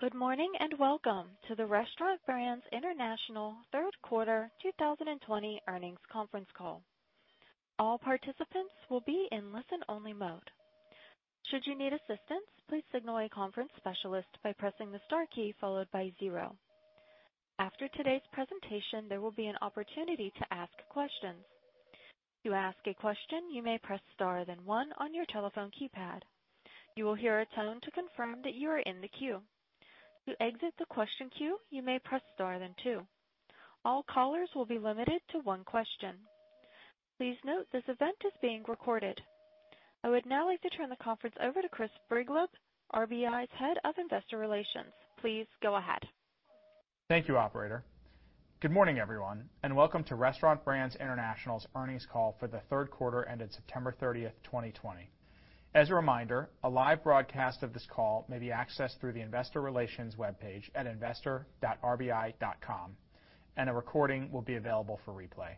Good morning, and welcome to the Restaurant Brands International Q3 2020 earnings conference call. I would now like to turn the conference over to Chris Brigleb, RBI's Head of Investor Relations. Please go ahead. Thank you, operator. Good morning, everyone, and welcome to Restaurant Brands International's earnings call for the Q3 ended September 30th, 2020. As a reminder, a live broadcast of this call may be accessed through the investor relations webpage at investor.rbi.com, and a recording will be available for replay.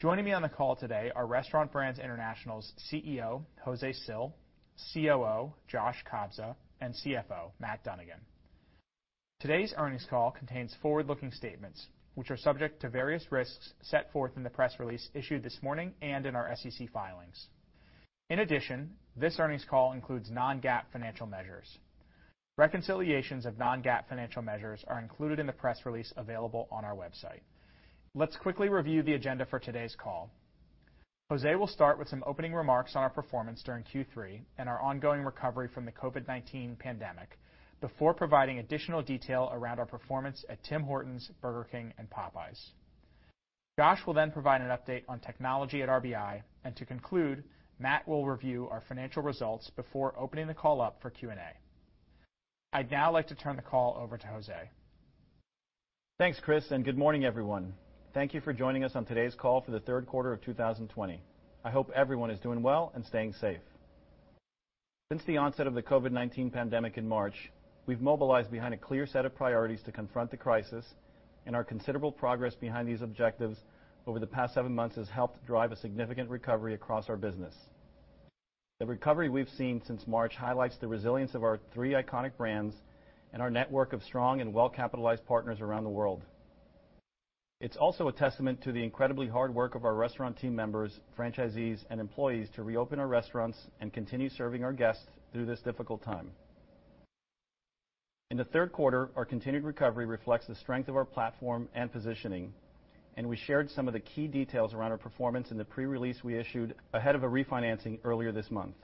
Joining me on the call today are Restaurant Brands International's CEO, Jose Cil, COO, Josh Kobza, and CFO, Matt Dunnigan. Today's earnings call contains forward-looking statements, which are subject to various risks set forth in the press release issued this morning and in our SEC filings. In addition, this earnings call includes non-GAAP financial measures. Reconciliations of non-GAAP financial measures are included in the press release available on our website. Let's quickly review the agenda for today's call. Jose will start with some opening remarks on our performance during Q3 and our ongoing recovery from the COVID-19 pandemic before providing additional detail around our performance at Tim Hortons, Burger King, and Popeyes. Josh will then provide an update on technology at RBI. To conclude, Matt will review our financial results before opening the call up for Q&A. I'd now like to turn the call over to Jose. Thanks, Chris. Good morning, everyone. Thank you for joining us on today's call for the Q3 of 2020. I hope everyone is doing well and staying safe. Since the onset of the COVID-19 pandemic in March, we've mobilized behind a clear set of priorities to confront the crisis. Our considerable progress behind these objectives over the past seven months has helped drive a significant recovery across our business. The recovery we've seen since March highlights the resilience of our three iconic brands and our network of strong and well-capitalized partners around the world. It's also a testament to the incredibly hard work of our restaurant team members, franchisees, and employees to reopen our restaurants and continue serving our guests through this difficult time. In the Q3, our continued recovery reflects the strength of our platform and positioning, and we shared some of the key details around our performance in the pre-release we issued ahead of a refinancing earlier this month.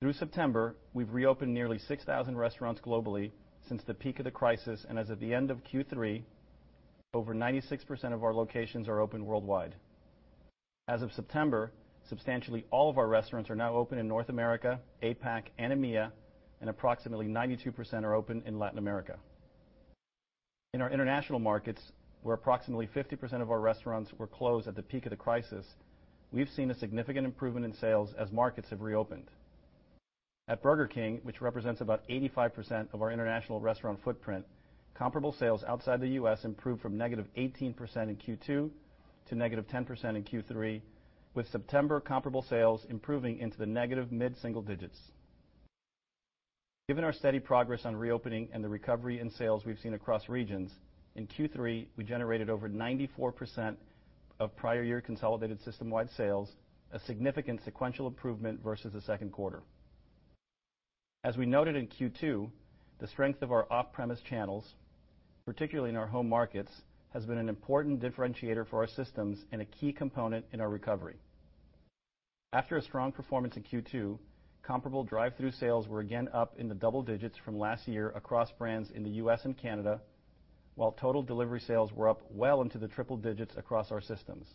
Through September, we've reopened nearly 6,000 restaurants globally since the peak of the crisis, and as of the end of Q3, over 96% of our locations are open worldwide. As of September, substantially all of our restaurants are now open in North America, APAC, and EMEA, and approximately 92% are open in Latin America. In our international markets, where approximately 50% of our restaurants were closed at the peak of the crisis, we've seen a significant improvement in sales as markets have reopened. At Burger King, which represents about 85% of our international restaurant footprint, comparable sales outside the U.S. improved from -18% in Q2 to -10% in Q3, with September comparable sales improving into the negative mid-single digits. Given our steady progress on reopening and the recovery in sales we've seen across regions, in Q3, we generated over 94% of prior year consolidated system-wide sales, a significant sequential improvement versus the Q2. As we noted in Q2, the strength of our off-premise channels, particularly in our home markets, has been an important differentiator for our systems and a key component in our recovery. After a strong performance in Q2, comparable drive-thru sales were again up in the double digits from last year across brands in the U.S. and Canada, while total delivery sales were up well into the triple digits across our systems.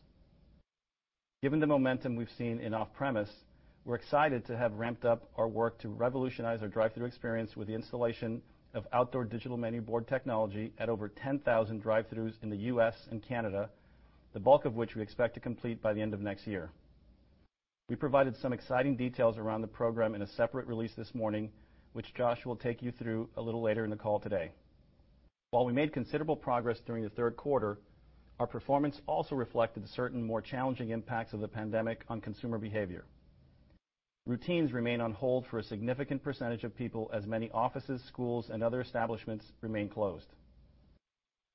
Given the momentum we've seen in off-premise, we're excited to have ramped up our work to revolutionize our drive-thru experience with the installation of outdoor digital menu board technology at over 10,000 drive-through in the U.S. and Canada, the bulk of which we expect to complete by the end of next year. We provided some exciting details around the program in a separate release this morning, which Josh will take you through a little later in the call today. While we made considerable progress during the Q3, our performance also reflected certain more challenging impacts of the pandemic on consumer behavior. Routines remain on hold for a significant percentage of people as many offices, schools, and other establishments remain closed.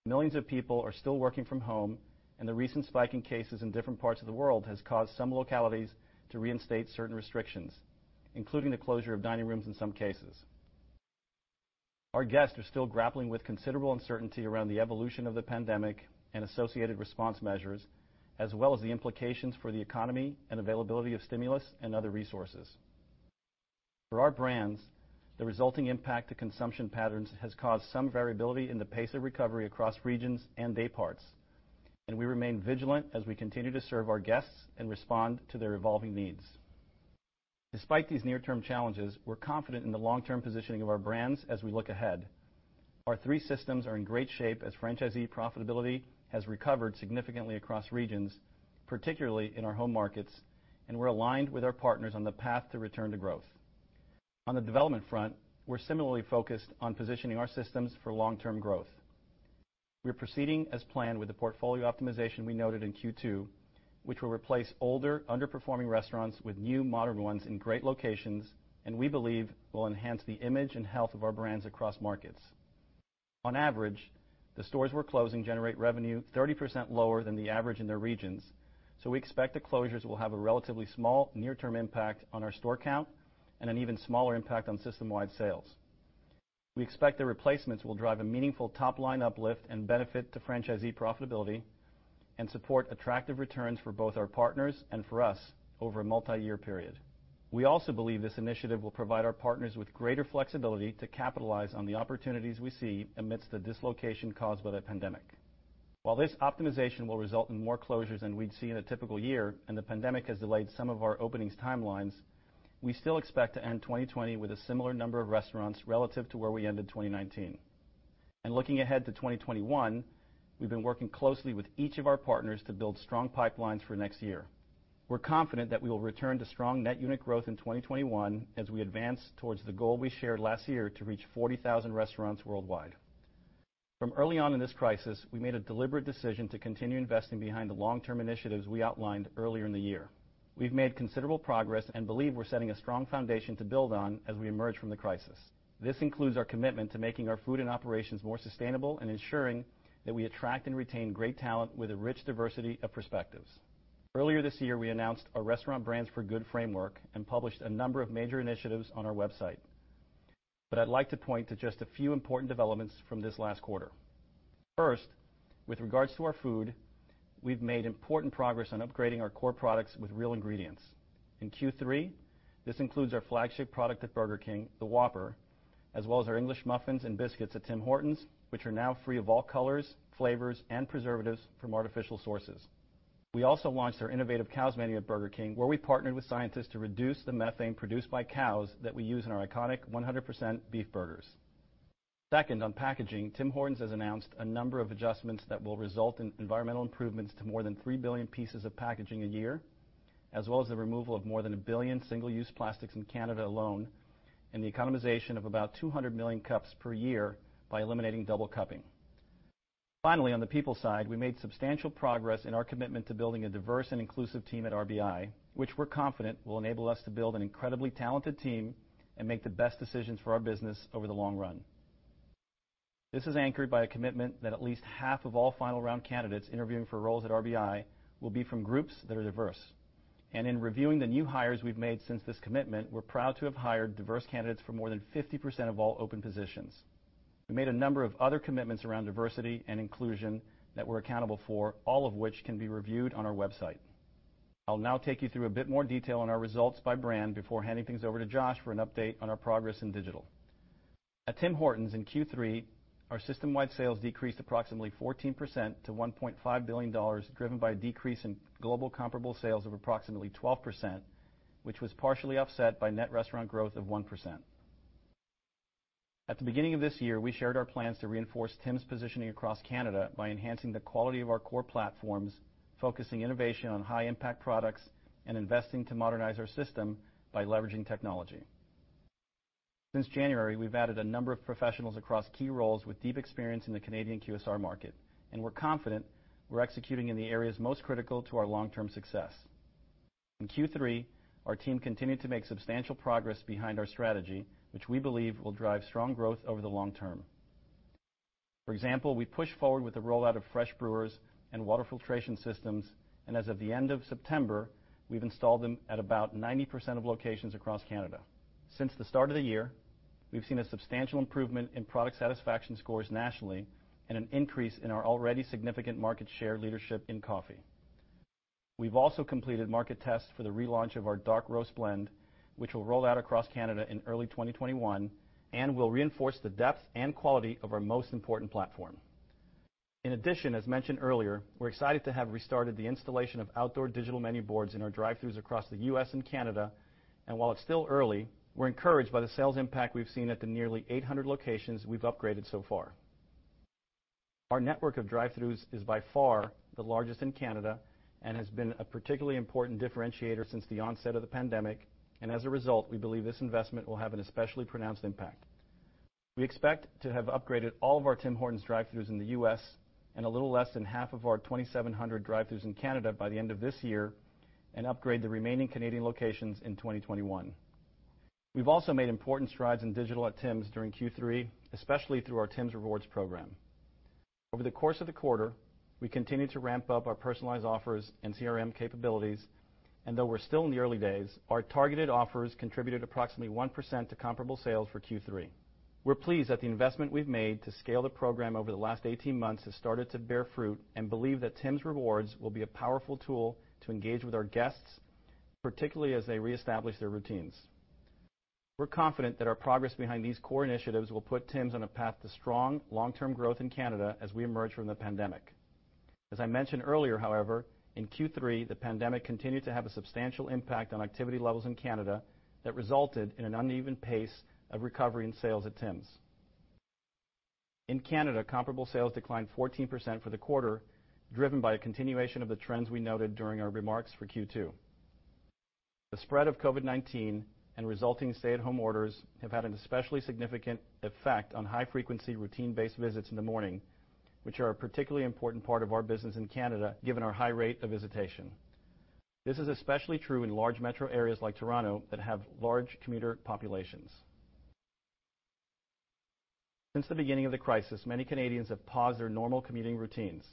Millions of people are still working from home, and the recent spike in cases in different parts of the world has caused some localities to reinstate certain restrictions, including the closure of dining rooms in some cases. Our guests are still grappling with considerable uncertainty around the evolution of the pandemic and associated response measures, as well as the implications for the economy and availability of stimulus and other resources. For our brands, the resulting impact to consumption patterns has caused some variability in the pace of recovery across regions and day parts, and we remain vigilant as we continue to serve our guests and respond to their evolving needs. Despite these near-term challenges, we're confident in the long-term positioning of our brands as we look ahead. Our three systems are in great shape as franchisee profitability has recovered significantly across regions, particularly in our home markets, and we're aligned with our partners on the path to return to growth. On the development front, we're similarly focused on positioning our systems for long-term growth. We're proceeding as planned with the portfolio optimization we noted in Q2, which will replace older, underperforming restaurants with new, modern ones in great locations, and we believe will enhance the image and health of our brands across markets. On average, the stores we're closing generate revenue 30% lower than the average in their regions, so we expect the closures will have a relatively small near-term impact on our store count and an even smaller impact on system-wide sales. We expect the replacements will drive a meaningful top-line uplift and benefit to franchisee profitability and support attractive returns for both our partners and for us over a multi-year period. We also believe this initiative will provide our partners with greater flexibility to capitalize on the opportunities we see amidst the dislocation caused by the pandemic. While this optimization will result in more closures than we'd see in a typical year, and the pandemic has delayed some of our openings' timelines, we still expect to end 2020 with a similar number of restaurants relative to where we ended 2019. Looking ahead to 2021, we've been working closely with each of our partners to build strong pipelines for next year. We're confident that we will return to strong net unit growth in 2021 as we advance towards the goal we shared last year to reach 40,000 restaurants worldwide. From early on in this crisis, we made a deliberate decision to continue investing behind the long-term initiatives we outlined earlier in the year. We've made considerable progress and believe we're setting a strong foundation to build on as we emerge from the crisis. This includes our commitment to making our food and operations more sustainable and ensuring that we attract and retain great talent with a rich diversity of perspectives. Earlier this year, we announced a Restaurant Brands for Good framework and published a number of major initiatives on our website. I'd like to point to just a few important developments from this last quarter. First, with regards to our food, we've made important progress on upgrading our core products with real ingredients. In Q3, this includes our flagship product at Burger King, the Whopper, as well as our English muffins and biscuits at Tim Hortons, which are now free of all colors, flavors, and preservatives from artificial sources. We also launched our innovative Cows Menu at Burger King, where we partnered with scientists to reduce the methane produced by cows that we use in our iconic 100% beef burgers. Second, on packaging, Tim Hortons has announced a number of adjustments that will result in environmental improvements to more than 3 billion pieces of packaging a year, as well as the removal of more than 1 billion single-use plastics in Canada alone, and the economization of about 200 million cups per year by eliminating double cupping. Finally, on the people side, we made substantial progress in our commitment to building a diverse and inclusive team at RBI, which we're confident will enable us to build an incredibly talented team and make the best decisions for our business over the long run. This is anchored by a commitment that at least half of all final round candidates interviewing for roles at RBI will be from groups that are diverse. In reviewing the new hires we've made since this commitment, we're proud to have hired diverse candidates for more than 50% of all open positions. We made a number of other commitments around diversity and inclusion that we're accountable for, all of which can be reviewed on our website. I'll now take you through a bit more detail on our results by brand before handing things over to Josh for an update on our progress in digital. At Tim Hortons in Q3, our system-wide sales decreased approximately 14% to $1.5 billion, driven by a decrease in global comparable sales of approximately 12%, which was partially offset by net restaurant growth of 1%. At the beginning of this year, we shared our plans to reinforce Tims positioning across Canada by enhancing the quality of our core platforms, focusing innovation on high-impact products, and investing to modernize our system by leveraging technology. Since January, we've added a number of professionals across key roles with deep experience in the Canadian QSR market, and we're confident we're executing in the areas most critical to our long-term success. In Q3, our team continued to make substantial progress behind our strategy, which we believe will drive strong growth over the long term. For example, we pushed forward with the rollout of Fresh Brewer and water filtration systems, and as of the end of September, we've installed them at about 90% of locations across Canada. Since the start of the year, we've seen a substantial improvement in product satisfaction scores nationally and an increase in our already significant market share leadership in coffee. We've also completed market tests for the relaunch of our dark roast, which will roll out across Canada in early 2021 and will reinforce the depth and quality of our most important platform. In addition, as mentioned earlier, we're excited to have restarted the installation of outdoor digital menu boards in our drive-throughs across the U.S. and Canada. While it's still early, we're encouraged by the sales impact we've seen at the nearly 800 locations we've upgraded so far. Our network of drive-throughs is by far the largest in Canada and has been a particularly important differentiator since the onset of the pandemic, and as a result, we believe this investment will have an especially pronounced impact. We expect to have upgraded all of our Tim Hortons drive-throughs in the U.S. and a little less than half of our 2,700 drive-throughs in Canada by the end of this year and upgrade the remaining Canadian locations in 2021. We've also made important strides in digital at Tims during Q3, especially through our Tims Rewards program. Over the course of the quarter, we continued to ramp up our personalized offers and CRM capabilities, and though we're still in the early days, our targeted offers contributed approximately 1% to comparable sales for Q3. We're pleased that the investment we've made to scale the program over the last 18 months has started to bear fruit and believe that Tims Rewards will be a powerful tool to engage with our guests, particularly as they reestablish their routines. We're confident that our progress behind these core initiatives will put Tims on a path to strong, long-term growth in Canada as we emerge from the pandemic. As I mentioned earlier, however, in Q3, the pandemic continued to have a substantial impact on activity levels in Canada that resulted in an uneven pace of recovery in sales at Tims. In Canada, comparable sales declined 14% for the quarter, driven by a continuation of the trends we noted during our remarks for Q2. The spread of COVID-19 and resulting stay-at-home orders have had an especially significant effect on high-frequency, routine-based visits in the morning, which are a particularly important part of our business in Canada, given our high rate of visitation. This is especially true in large metro areas like Toronto that have large commuter populations. Since the beginning of the crisis, many Canadians have paused their normal commuting routines.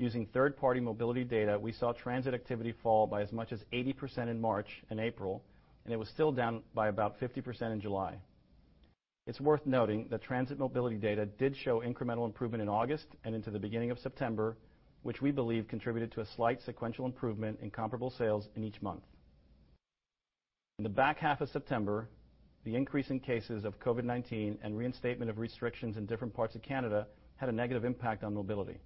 Using third-party mobility data, we saw transit activity fall by as much as 80% in March and April, and it was still down by about 50% in July. It's worth noting that transit mobility data did show incremental improvement in August and into the beginning of September, which we believe contributed to a slight sequential improvement in comparable sales in each month. In the back half of September, the increase in cases of COVID-19 and reinstatement of restrictions in different parts of Canada had a negative impact on mobility.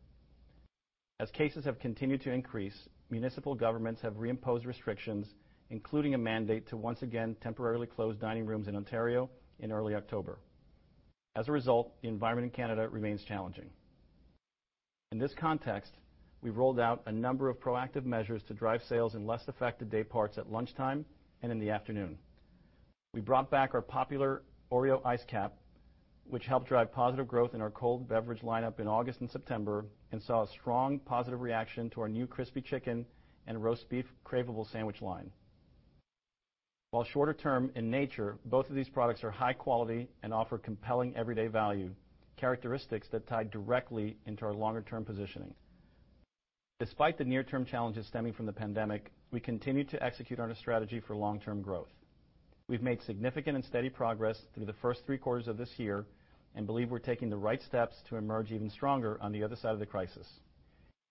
As cases have continued to increase, municipal governments have reimposed restrictions, including a mandate to once again temporarily close dining rooms in Ontario in early October. As a result, the environment in Canada remains challenging. In this context, we've rolled out a number of proactive measures to drive sales in less affected dayparts at lunchtime and in the afternoon. We brought back our popular Oreo Iced Capp, which helped drive positive growth in our cold beverage lineup in August and September, and saw a strong positive reaction to our new Crispy Chicken and Roast Beef Craveable sandwich line. While shorter term in nature, both of these products are high quality and offer compelling everyday value, characteristics that tie directly into our longer-term positioning. Despite the near-term challenges stemming from the pandemic, we continue to execute on a strategy for long-term growth. We've made significant and steady progress through the first three quarters of this year and believe we're taking the right steps to emerge even stronger on the other side of the crisis.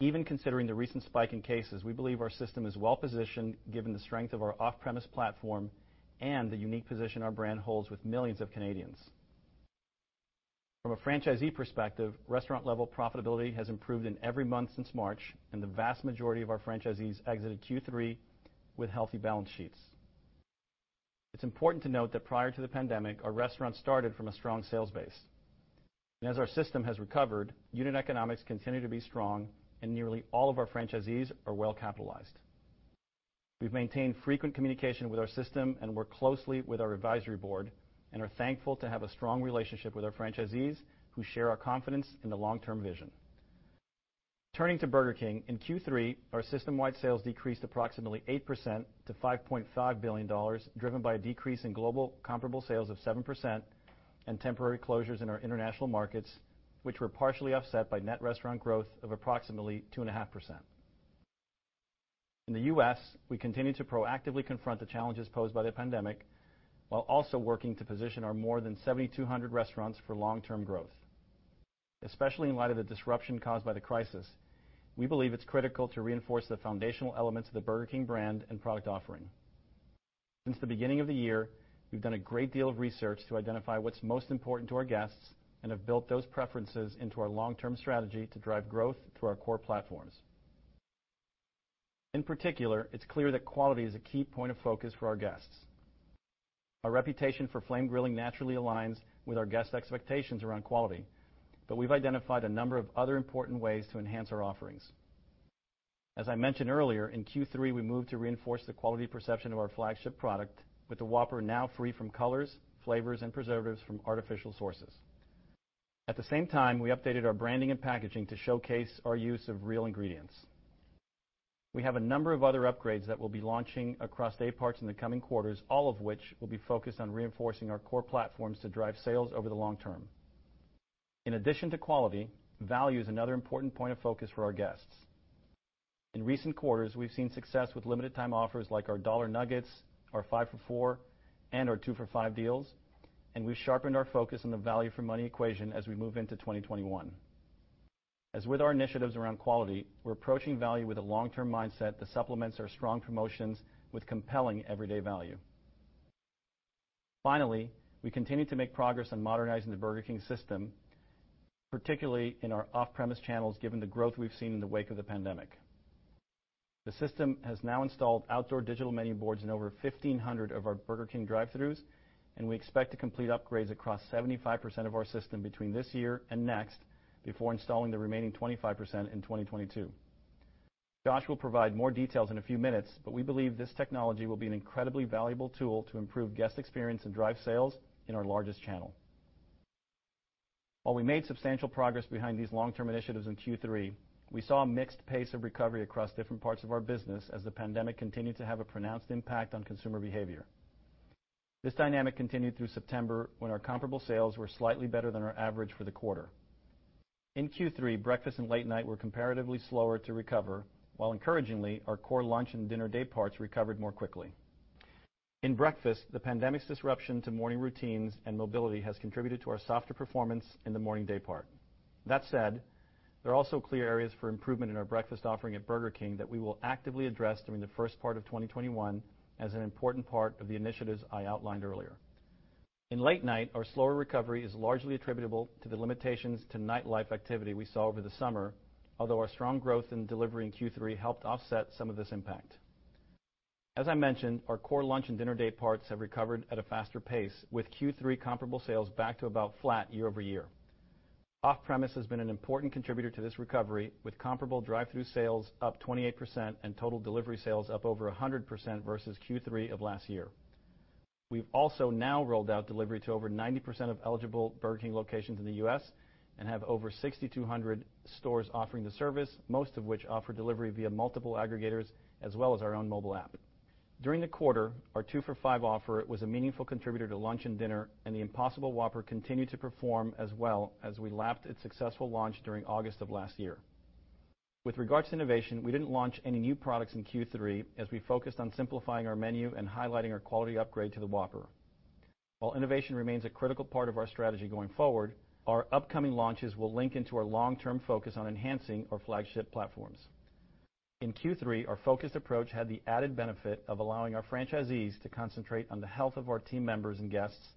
Even considering the recent spike in cases, we believe our system is well-positioned given the strength of our off-premise platform and the unique position our brand holds with millions of Canadians. From a franchisee perspective, restaurant-level profitability has improved in every month since March, and the vast majority of our franchisees exited Q3 with healthy balance sheets. It's important to note that prior to the pandemic, our restaurants started from a strong sales base. As our system has recovered, unit economics continue to be strong, and nearly all of our franchisees are well-capitalized. We've maintained frequent communication with our system and work closely with our advisory board and are thankful to have a strong relationship with our franchisees who share our confidence in the long-term vision. Turning to Burger King, in Q3, our system-wide sales decreased approximately 8% to $5.5 billion, driven by a decrease in global comparable sales of 7% and temporary closures in our international markets, which were partially offset by net restaurant growth of approximately 2.5%. In the U.S., we continue to proactively confront the challenges posed by the pandemic while also working to position our more than 7,200 restaurants for long-term growth. Especially in light of the disruption caused by the crisis, we believe it's critical to reinforce the foundational elements of the Burger King brand and product offering. Since the beginning of the year, we've done a great deal of research to identify what's most important to our guests and have built those preferences into our long-term strategy to drive growth through our core platforms. In particular, it's clear that quality is a key point of focus for our guests. Our reputation for flame grilling naturally aligns with our guests' expectations around quality, but we've identified a number of other important ways to enhance our offerings. As I mentioned earlier, in Q3, we moved to reinforce the quality perception of our flagship product with the Whopper now free from colors, flavors, and preservatives from artificial sources. At the same time, we updated our branding and packaging to showcase our use of real ingredients. We have a number of other upgrades that we'll be launching across dayparts in the coming quarters, all of which will be focused on reinforcing our core platforms to drive sales over the long term. In addition to quality, value is another important point of focus for our guests. In recent quarters, we've seen success with limited time offers like our Dollar Nuggets, our Five for $4, and our Two for $5 deals, and we've sharpened our focus on the value for money equation as we move into 2021. As with our initiatives around quality, we're approaching value with a long-term mindset that supplements our strong promotions with compelling everyday value. Finally, we continue to make progress on modernizing the Burger King system, particularly in our off-premise channels, given the growth we've seen in the wake of the pandemic. The system has now installed outdoor digital menu boards in over 1,500 of our Burger King drive-throughs, and we expect to complete upgrades across 75% of our system between this year and next before installing the remaining 25% in 2022. Josh will provide more details in a few minutes, but we believe this technology will be an incredibly valuable tool to improve guest experience and drive sales in our largest channel. While we made substantial progress behind these long-term initiatives in Q3, we saw a mixed pace of recovery across different parts of our business as the pandemic continued to have a pronounced impact on consumer behavior. This dynamic continued through September when our comparable sales were slightly better than our average for the quarter. In Q3, breakfast and late night were comparatively slower to recover, while encouragingly, our core lunch and dinner dayparts recovered more quickly. In breakfast, the pandemic's disruption to morning routines and mobility has contributed to our softer performance in the morning daypart. That said, there are also clear areas for improvement in our breakfast offering at Burger King that we will actively address during the first part of 2021 as an important part of the initiatives I outlined earlier. In late night, our slower recovery is largely attributable to the limitations to nightlife activity we saw over the summer, although our strong growth in delivery in Q3 helped offset some of this impact. As I mentioned, our core lunch and dinner dayparts have recovered at a faster pace, with Q3 comparable sales back to about flat year-over-year. Off-premise has been an important contributor to this recovery, with comparable drive-thru sales up 28% and total delivery sales up over 100% versus Q3 of last year. We've also now rolled out delivery to over 90% of eligible Burger King locations in the U.S. and have over 6,200 stores offering the service, most of which offer delivery via multiple aggregators, as well as our own mobile app. During the quarter, our two-for-five offer was a meaningful contributor to lunch and dinner, and the Impossible Whopper continued to perform as well as we lapped its successful launch during August of last year. With regards to innovation, we didn't launch any new products in Q3 as we focused on simplifying our menu and highlighting our quality upgrade to the Whopper. While innovation remains a critical part of our strategy going forward, our upcoming launches will link into our long-term focus on enhancing our flagship platforms. In Q3, our focused approach had the added benefit of allowing our franchisees to concentrate on the health of our team members and guests,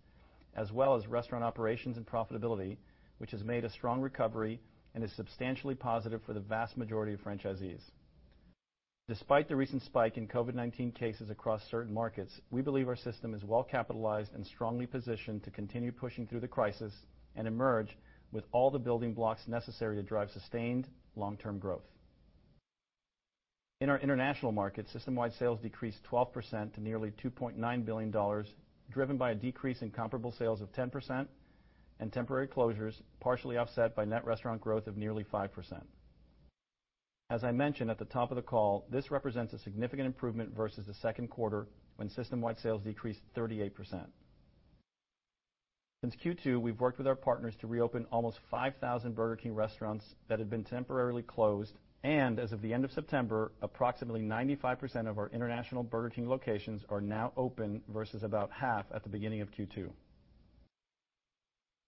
as well as restaurant operations and profitability, which has made a strong recovery and is substantially positive for the vast majority of franchisees. Despite the recent spike in COVID-19 cases across certain markets, we believe our system is well-capitalized and strongly positioned to continue pushing through the crisis and emerge with all the building blocks necessary to drive sustained long-term growth. In our international markets, system-wide sales decreased 12% to nearly $2.9 billion, driven by a decrease in comparable sales of 10% and temporary closures, partially offset by net restaurant growth of nearly 5%. As I mentioned at the top of the call, this represents a significant improvement versus the Q2 when system-wide sales decreased 38%. Since Q2, we've worked with our partners to reopen almost 5,000 Burger King restaurants that had been temporarily closed, and as of the end of September, approximately 95% of our international Burger King locations are now open, versus about half at the beginning of Q2.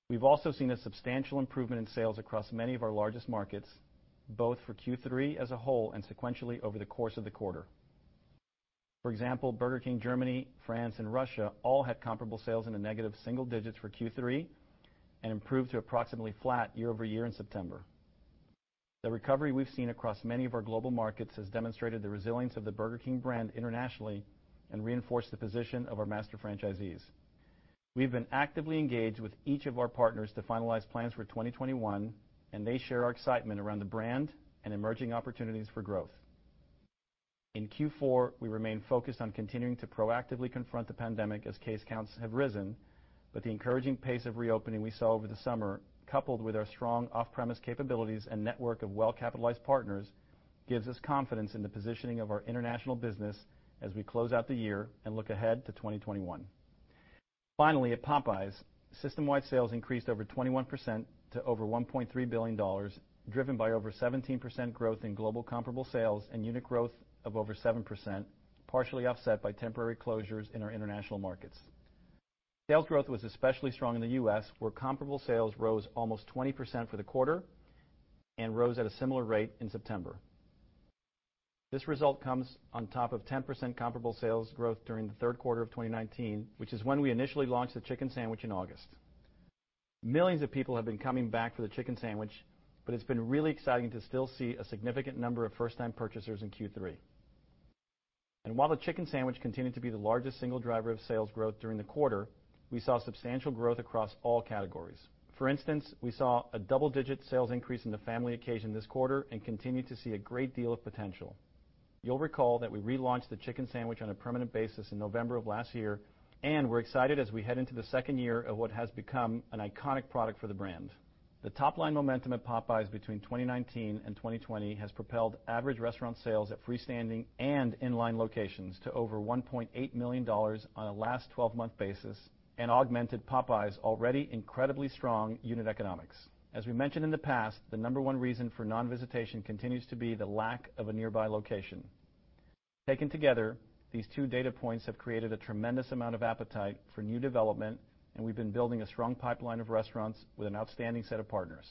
We've also seen a substantial improvement in sales across many of our largest markets, both for Q3 as a whole and sequentially over the course of the quarter. For example, Burger King Germany, France, and Russia all had comparable sales in the negative single digits for Q3 and improved to approximately flat year-over-year in September. The recovery we've seen across many of our global markets has demonstrated the resilience of the Burger King brand internationally and reinforced the position of our master franchisees. We've been actively engaged with each of our partners to finalize plans for 2021, and they share our excitement around the brand and emerging opportunities for growth. In Q4, we remain focused on continuing to proactively confront the pandemic as case counts have risen. The encouraging pace of reopening we saw over the summer, coupled with our strong off-premise capabilities and network of well-capitalized partners, gives us confidence in the positioning of our international business as we close out the year and look ahead to 2021. Finally, at Popeyes, system-wide sales increased over 21% to over $1.3 billion, driven by over 17% growth in global comparable sales and unit growth of over 7%, partially offset by temporary closures in our international markets. Sales growth was especially strong in the U.S., where comparable sales rose almost 20% for the quarter and rose at a similar rate in September. This result comes on top of 10% comparable sales growth during the Q3 of 2019, which is when we initially launched the chicken sandwich in August. Millions of people have been coming back for the chicken sandwich, but it's been really exciting to still see a significant number of first-time purchasers in Q3. While the chicken sandwich continued to be the largest single driver of sales growth during the quarter, we saw substantial growth across all categories. For instance, we saw a double-digit sales increase in the family occasion this quarter and continue to see a great deal of potential. You'll recall that we relaunched the chicken sandwich on a permanent basis in November of last year, and we're excited as we head into the second year of what has become an iconic product for the brand. The top-line momentum at Popeyes between 2019 and 2020 has propelled average restaurant sales at freestanding and in-line locations to over $1.8 million on a last 12-month basis and augmented Popeyes' already incredibly strong unit economics. As we mentioned in the past, the number one reason for non-visitation continues to be the lack of a nearby location. Taken together, these two data points have created a tremendous amount of appetite for new development, and we've been building a strong pipeline of restaurants with an outstanding set of partners.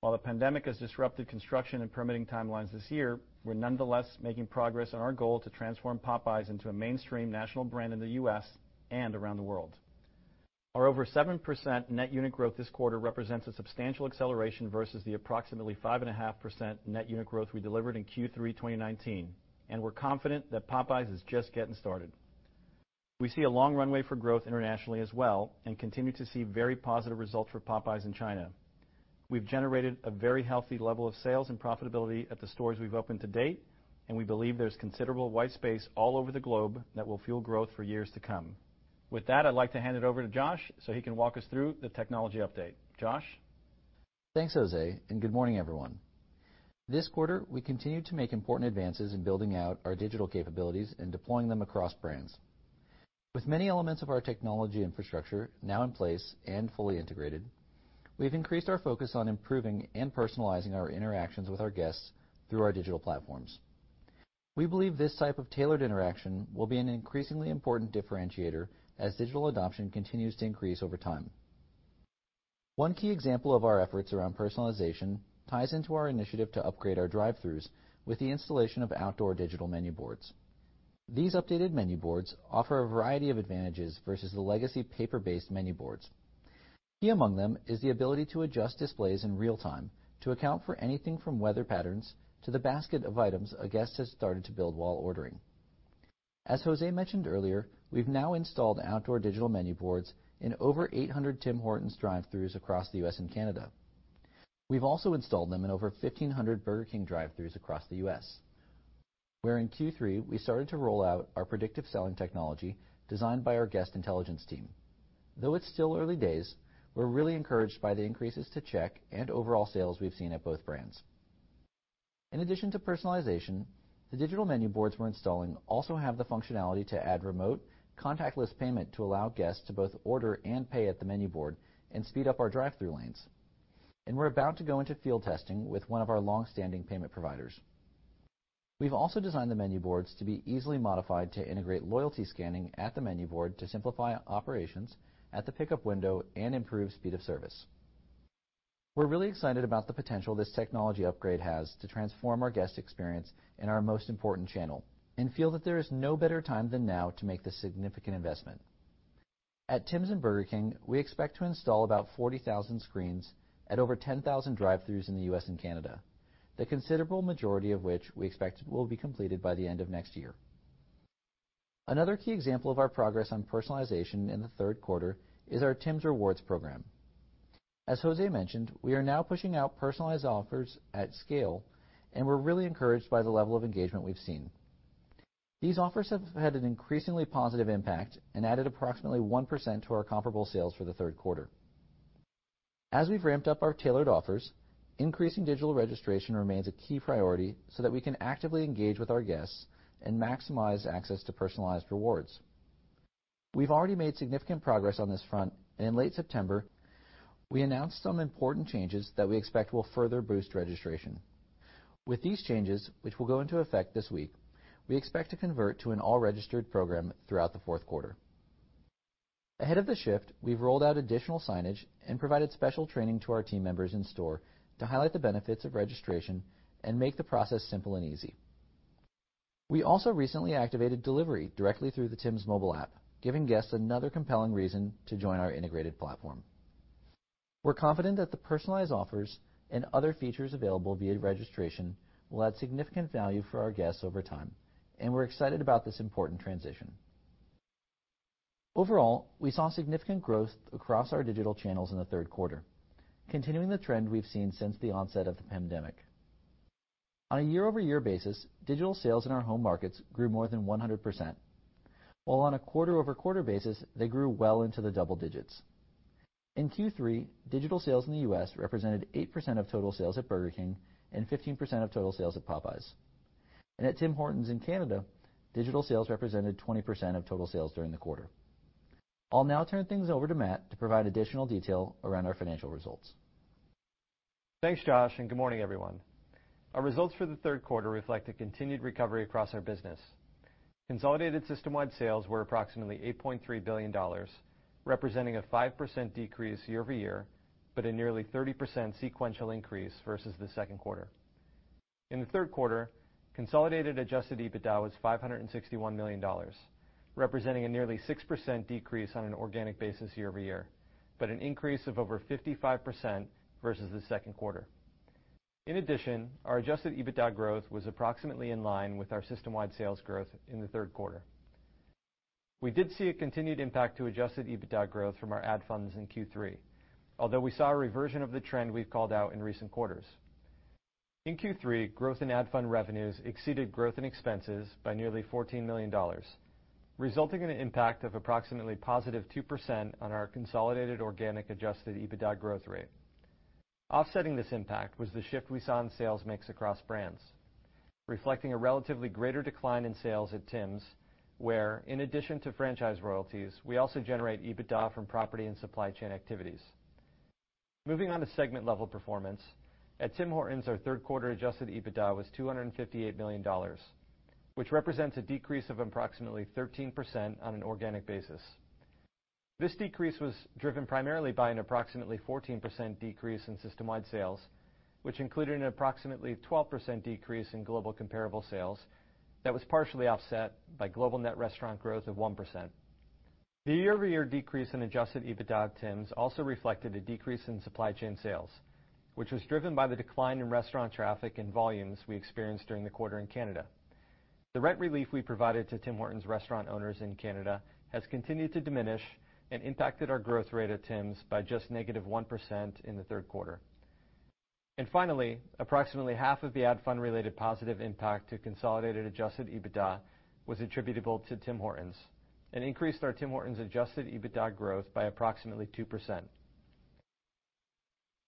While the pandemic has disrupted construction and permitting timelines this year, we're nonetheless making progress on our goal to transform Popeyes into a mainstream national brand in the U.S. and around the world. Our over 7% net unit growth this quarter represents a substantial acceleration versus the approximately 5.5% net unit growth we delivered in Q3 2019, and we're confident that Popeyes is just getting started. We see a long runway for growth internationally as well and continue to see very positive results for Popeyes in China. We've generated a very healthy level of sales and profitability at the stores we've opened to date, and we believe there's considerable white space all over the globe that will fuel growth for years to come. With that, I'd like to hand it over to Josh so he can walk us through the technology update. Josh? Thanks, Jose, good morning, everyone. This quarter, we continued to make important advances in building out our digital capabilities and deploying them across brands. With many elements of our technology infrastructure now in place and fully integrated, we've increased our focus on improving and personalizing our interactions with our guests through our digital platforms. We believe this type of tailored interaction will be an increasingly important differentiator as digital adoption continues to increase over time. One key example of our efforts around personalization ties into our initiative to upgrade our drive-thrus with the installation of outdoor digital menu boards. These updated menu boards offer a variety of advantages versus the legacy paper-based menu boards. Key among them is the ability to adjust displays in real time to account for anything from weather patterns to the basket of items a guest has started to build while ordering. As Jose mentioned earlier, we've now installed outdoor digital menu boards in over 800 Tim Hortons drive-throughs across the U.S. and Canada. We've also installed them in over 1,500 Burger King drive-throughs across the U.S., where in Q3, we started to roll out our predictive selling technology designed by our guest intelligence team. Though it's still early days, we're really encouraged by the increases to check and overall sales we've seen at both brands. In addition to personalization, the digital menu boards we're installing also have the functionality to add remote contactless payment to allow guests to both order and pay at the menu board and speed up our drive-through lanes. We're about to go into field testing with one of our longstanding payment providers. We've also designed the menu boards to be easily modified to integrate loyalty scanning at the menu board to simplify operations at the pickup window and improve speed of service. We're really excited about the potential this technology upgrade has to transform our guest experience and our most important channel and feel that there is no better time than now to make the significant investment. At Tims and Burger King, we expect to install about 40,000 screens at over 10,000 drive-throughs in the U.S. and Canada. The considerable majority of which we expect will be completed by the end of next year. Another key example of our progress on personalization in the Q3 is our Tims Rewards program. As Jose mentioned, we are now pushing out personalized offers at scale, and we're really encouraged by the level of engagement we've seen. These offers have had an increasingly positive impact and added approximately 1% to our comparable sales for the Q3. As we've ramped up our tailored offers, increasing digital registration remains a key priority so that we can actively engage with our guests and maximize access to personalized rewards. We've already made significant progress on this front, and in late September, we announced some important changes that we expect will further boost registration. With these changes, which will go into effect this week, we expect to convert to an all registered program throughout the Q4. Ahead of the shift, we've rolled out additional signage and provided special training to our team members in store to highlight the benefits of registration and make the process simple and easy. We also recently activated delivery directly through the Tims mobile app, giving guests another compelling reason to join our integrated platform. We're confident that the personalized offers and other features available via registration will add significant value for our guests over time, and we're excited about this important transition. Overall, we saw significant growth across our digital channels in the Q3, continuing the trend we've seen since the onset of the pandemic. On a year-over-year basis, digital sales in our home markets grew more than 100%, while on a quarter-over-quarter basis, they grew well into the double digits. In Q3, digital sales in the U.S. represented 8% of total sales at Burger King and 15% of total sales at Popeyes. At Tim Hortons in Canada, digital sales represented 20% of total sales during the quarter. I'll now turn things over to Matt to provide additional detail around our financial results. Thanks, Josh, and good morning, everyone. Our results for the Q3 reflect a continued recovery across our business. Consolidated system-wide sales were approximately $8.3 billion, representing a 5% decrease year-over-year, but a nearly 30% sequential increase versus the Q2. In the Q3, consolidated adjusted EBITDA was 561 million dollars, representing a nearly 6% decrease on an organic basis year-over-year, but an increase of over 55% versus the Q2. In addition, our adjusted EBITDA growth was approximately in line with our system-wide sales growth in the Q3. We did see a continued impact to adjusted EBITDA growth from our ad funds in Q3, although we saw a reversion of the trend we've called out in recent quarters. In Q3, growth in ad fund revenues exceeded growth in expenses by nearly 14 million dollars, resulting in an impact of approximately +2% on our consolidated organic adjusted EBITDA growth rate. Offsetting this impact was the shift we saw in sales mix across brands, reflecting a relatively greater decline in sales at Tims where, in addition to franchise royalties, we also generate EBITDA from property and supply chain activities. Moving on to segment level performance, at Tim Hortons, our Q3 adjusted EBITDA was 258 million dollars, which represents a decrease of approximately 13% on an organic basis. This decrease was driven primarily by an approximately 14% decrease in system-wide sales, which included an approximately 12% decrease in global comparable sales that was partially offset by global net restaurant growth of 1%. The year-over-year decrease in adjusted EBITDA at Tim's also reflected a decrease in supply chain sales, which was driven by the decline in restaurant traffic and volumes we experienced during the quarter in Canada. The rent relief we provided to Tim Hortons restaurant owners in Canada has continued to diminish and impacted our growth rate at Tim's by just -1% in the Q3. Finally, approximately half of the ad fund related positive impact to consolidated adjusted EBITDA was attributable to Tim Hortons and increased our Tim Hortons adjusted EBITDA growth by approximately 2%.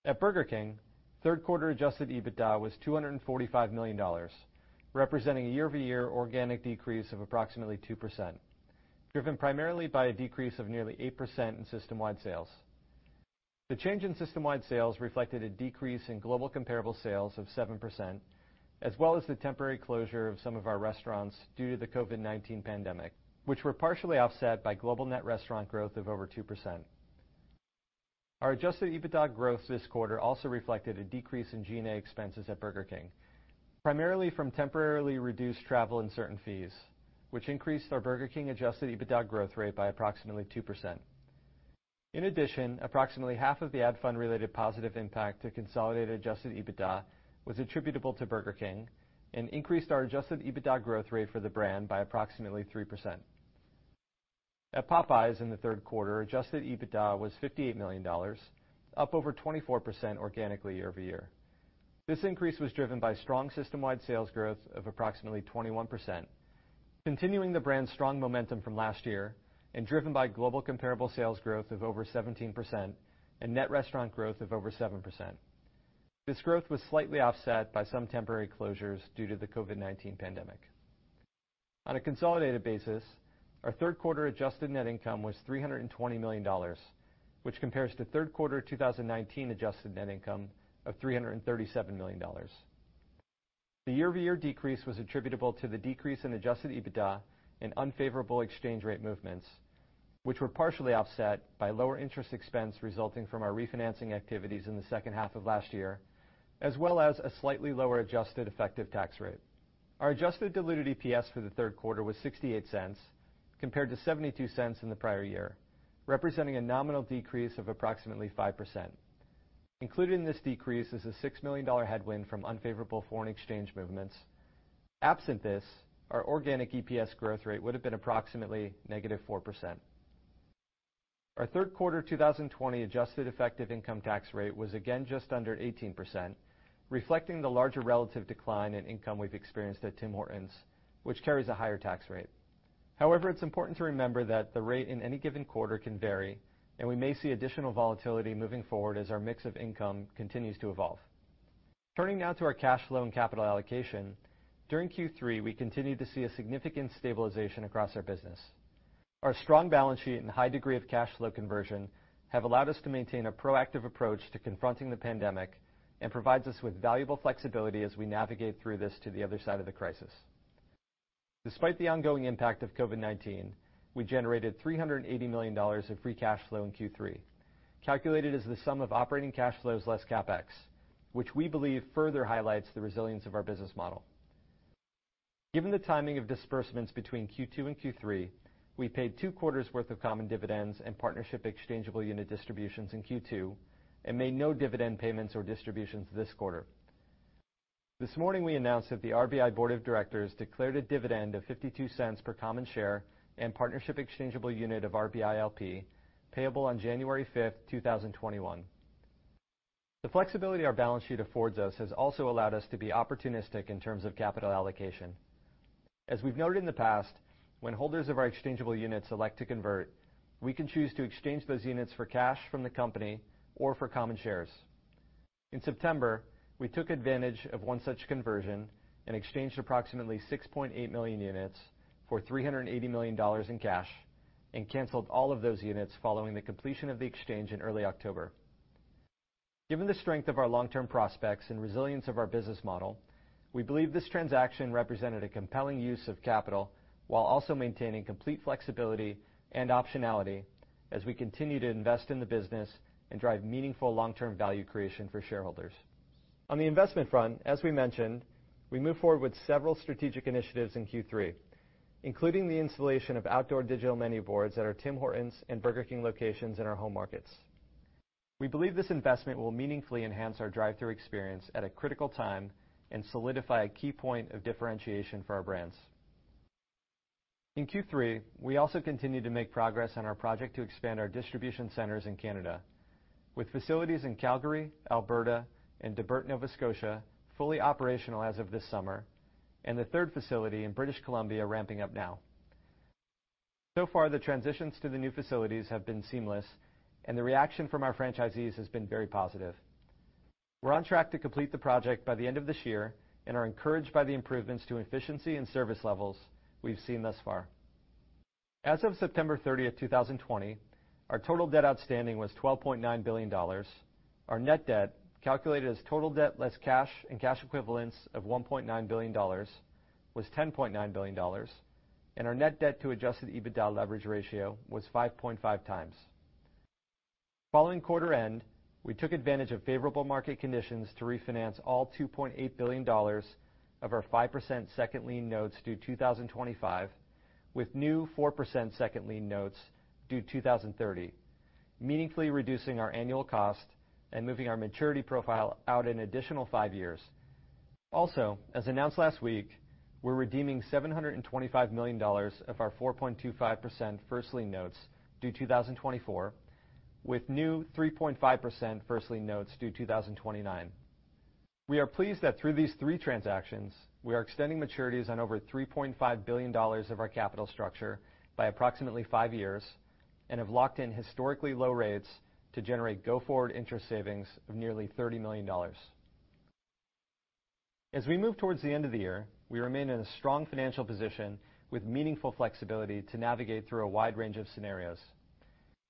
At Burger King, Q3 adjusted EBITDA was 245 million dollars, representing a year-over-year organic decrease of approximately 2%, driven primarily by a decrease of nearly 8% in system-wide sales. The change in system-wide sales reflected a decrease in global comparable sales of 7%, as well as the temporary closure of some of our restaurants due to the COVID-19 pandemic, which were partially offset by global net restaurant growth of over 2%. Our adjusted EBITDA growth this quarter also reflected a decrease in G&A expenses at Burger King, primarily from temporarily reduced travel and certain fees, which increased our Burger King adjusted EBITDA growth rate by approximately 2%. In addition, approximately half of the ad fund related positive impact to consolidated adjusted EBITDA was attributable to Burger King and increased our adjusted EBITDA growth rate for the brand by approximately 3%. At Popeyes in the Q3, adjusted EBITDA was $58 million, up over 24% organically year-over-year. This increase was driven by strong system-wide sales growth of approximately 21%, continuing the brand's strong momentum from last year and driven by global comparable sales growth of over 17% and net restaurant growth of over 7%. This growth was slightly offset by some temporary closures due to the COVID-19 pandemic. On a consolidated basis, our Q3 adjusted net income was 320 million dollars, which compares to Q3 2019 adjusted net income of 337 million dollars. The year-over-year decrease was attributable to the decrease in adjusted EBITDA and unfavorable exchange rate movements, which were partially offset by lower interest expense resulting from our refinancing activities in the second half of last year, as well as a slightly lower adjusted effective tax rate. Our adjusted diluted EPS for the Q3 was 0.68 compared to 0.72 in the prior year, representing a nominal decrease of approximately 5%. Included in this decrease is a 6 million dollar headwind from unfavorable foreign exchange movements. Absent this, our organic EPS growth rate would've been approximately -4%. Our Q3 2020 adjusted effective income tax rate was again just under 18%, reflecting the larger relative decline in income we've experienced at Tim Hortons, which carries a higher tax rate. It's important to remember that the rate in any given quarter can vary, and we may see additional volatility moving forward as our mix of income continues to evolve. Turning now to our cash flow and capital allocation. During Q3, we continued to see a significant stabilization across our business. Our strong balance sheet and high degree of cash flow conversion have allowed us to maintain a proactive approach to confronting the pandemic and provides us with valuable flexibility as we navigate through this to the other side of the crisis. Despite the ongoing impact of COVID-19, we generated 380 million dollars of free cash flow in Q3, calculated as the sum of operating cash flows less CapEx, which we believe further highlights the resilience of our business model. Given the timing of disbursements between Q2 and Q3, we paid two quarters' worth of common dividends and partnership exchangeable unit distributions in Q2 and made no dividend payments or distributions this quarter. This morning, we announced that the RBI board of directors declared a dividend of 0.52 per common share and partnership exchangeable unit of RBI LP payable on January 5, 2021. The flexibility our balance sheet affords us has also allowed us to be opportunistic in terms of capital allocation. As we've noted in the past, when holders of our exchangeable units elect to convert, we can choose to exchange those units for cash from the company or for common shares. In September, we took advantage of one such conversion and exchanged approximately 6.8 million units for 380 million dollars in cash and canceled all of those units following the completion of the exchange in early October. Given the strength of our long-term prospects and resilience of our business model, we believe this transaction represented a compelling use of capital while also maintaining complete flexibility and optionality as we continue to invest in the business and drive meaningful long-term value creation for shareholders. On the investment front, as we mentioned, we moved forward with several strategic initiatives in Q3, including the installation of outdoor digital menu boards at our Tim Hortons and Burger King locations in our home markets. We believe this investment will meaningfully enhance our drive-thru experience at a critical time and solidify a key point of differentiation for our brands. In Q3, we also continued to make progress on our project to expand our distribution centers in Canada with facilities in Calgary, Alberta, and Debert, Nova Scotia, fully operational as of this summer and the third facility in British Columbia ramping up now. So far, the transitions to the new facilities have been seamless, and the reaction from our franchisees has been very positive. We're on track to complete the project by the end of this year and are encouraged by the improvements to efficiency and service levels we've seen thus far. As of September 30th, 2020, our total debt outstanding was 12.9 billion dollars. Our net debt, calculated as total debt less cash and cash equivalents of 1.9 billion dollars, was 10.9 billion dollars, and our net debt to adjusted EBITDA leverage ratio was 5.5x. Following quarter end, we took advantage of favorable market conditions to refinance all 2.8 billion dollars of our 5% second lien notes due 2025 with new 4% second lien notes due 2030, meaningfully reducing our annual cost and moving our maturity profile out an additional five years. As announced last week, we're redeeming 725 million dollars of our 4.25% first lien notes due 2024 with new 3.5% first lien notes due 2029. We are pleased that through these three transactions, we are extending maturities on over 3.5 billion dollars of our capital structure by approximately five years and have locked in historically low rates to generate go-forward interest savings of nearly 30 million dollars. As we move towards the end of the year, we remain in a strong financial position with meaningful flexibility to navigate through a wide range of scenarios.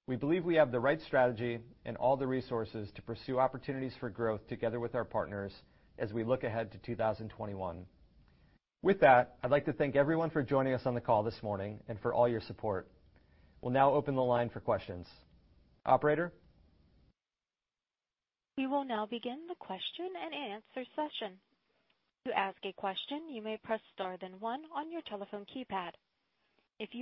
We believe we have the right strategy and all the resources to pursue opportunities for growth together with our partners as we look ahead to 2021. With that, I'd like to thank everyone for joining us on the call this morning and for all your support. We'll now open the line for questions. Operator We will now begin the question and answer session. At this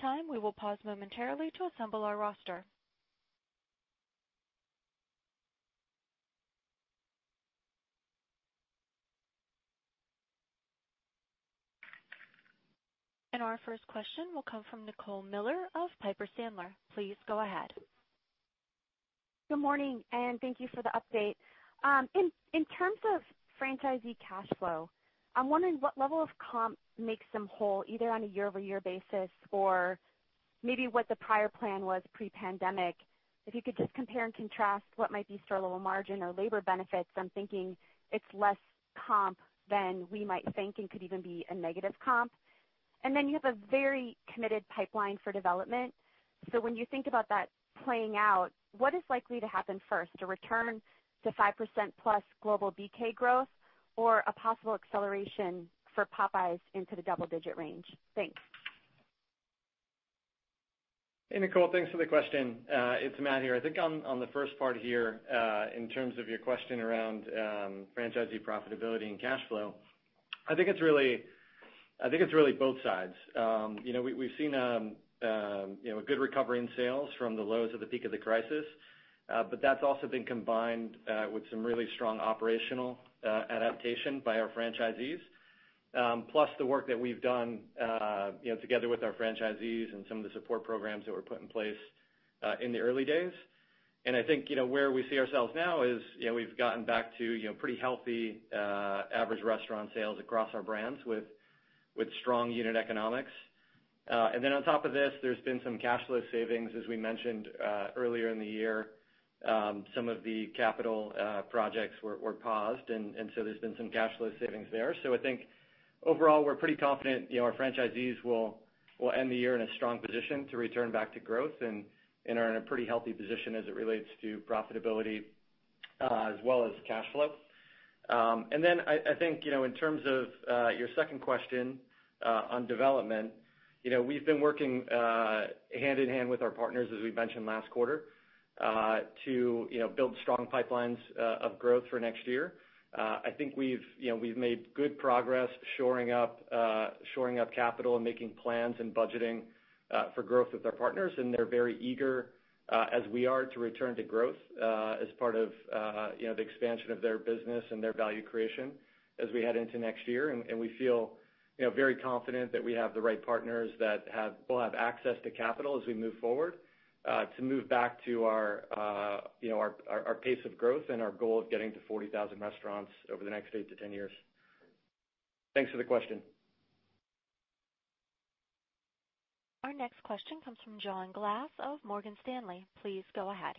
time, we will pause momentarily to assemble our roster. Our first question will come from Nicole Miller of Piper Sandler. Please go ahead. Good morning, and thank you for the update. In terms of franchisee cash flow, I'm wondering what level of comp makes them whole, either on a year-over-year basis or maybe what the prior plan was pre-pandemic. If you could just compare and contrast what might be store level margin or labor benefits. I'm thinking it's less comp than we might think and could even be a negative comp. You have a very committed pipeline for development. When you think about that playing out, what is likely to happen first, a return to 5%+ global BK growth or a possible acceleration for Popeyes into the double-digit range? Thanks. Hey, Nicole. Thanks for the question. It's Matt here. I think on the first part here, in terms of your question around franchisee profitability and cash flow, I think it's really both sides. We've seen a good recovery in sales from the lows of the peak of the crisis, but that's also been combined with some really strong operational adaptation by our franchisees, plus the work that we've done together with our franchisees and some of the support programs that were put in place in the early days. I think where we see ourselves now is we've gotten back to pretty healthy average restaurant sales across our brands with strong unit economics. On top of this, there's been some cash flow savings, as we mentioned earlier in the year. Some of the capital projects were paused, and so there's been some cash flow savings there. I think overall, we're pretty confident our franchisees will end the year in a strong position to return back to growth and are in a pretty healthy position as it relates to profitability as well as cash flow. I think in terms of your second question on development, we've been working hand in hand with our partners, as we mentioned last quarter, to build strong pipelines of growth for next year. I think we've made good progress shoring up capital and making plans and budgeting for growth with our partners, and they're very eager, as we are, to return to growth as part of the expansion of their business and their value creation as we head into next year. We feel very confident that we have the right partners that will have access to capital as we move forward to move back to our pace of growth and our goal of getting to 40,000 restaurants over the next 8-10 years. Thanks for the question. Our next question comes from John Glass of Morgan Stanley. Please go ahead.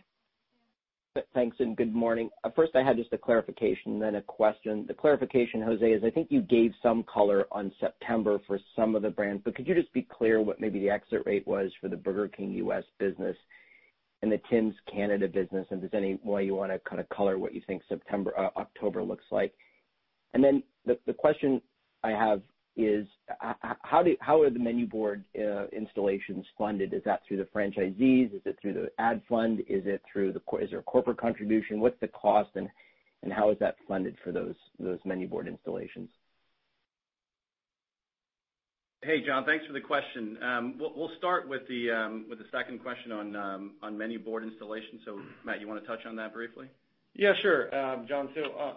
Thanks, good morning. First, I had just a clarification, then a question. The clarification, Jose, is I think you gave some color on September for some of the brands, but could you just be clear what maybe the exit rate was for the Burger King U.S. business and the Tim's Canada business? If there's any way you want to kind of color what you think October looks like. The question I have is how are the menu board installations funded? Is that through the franchisees? Is it through the ad fund? Is it through the corporate contribution? What's the cost and how is that funded for those menu board installations? Hey, John. Thanks for the question. We'll start with the second question on menu board installation. Matt, you want to touch on that briefly? Sure. John,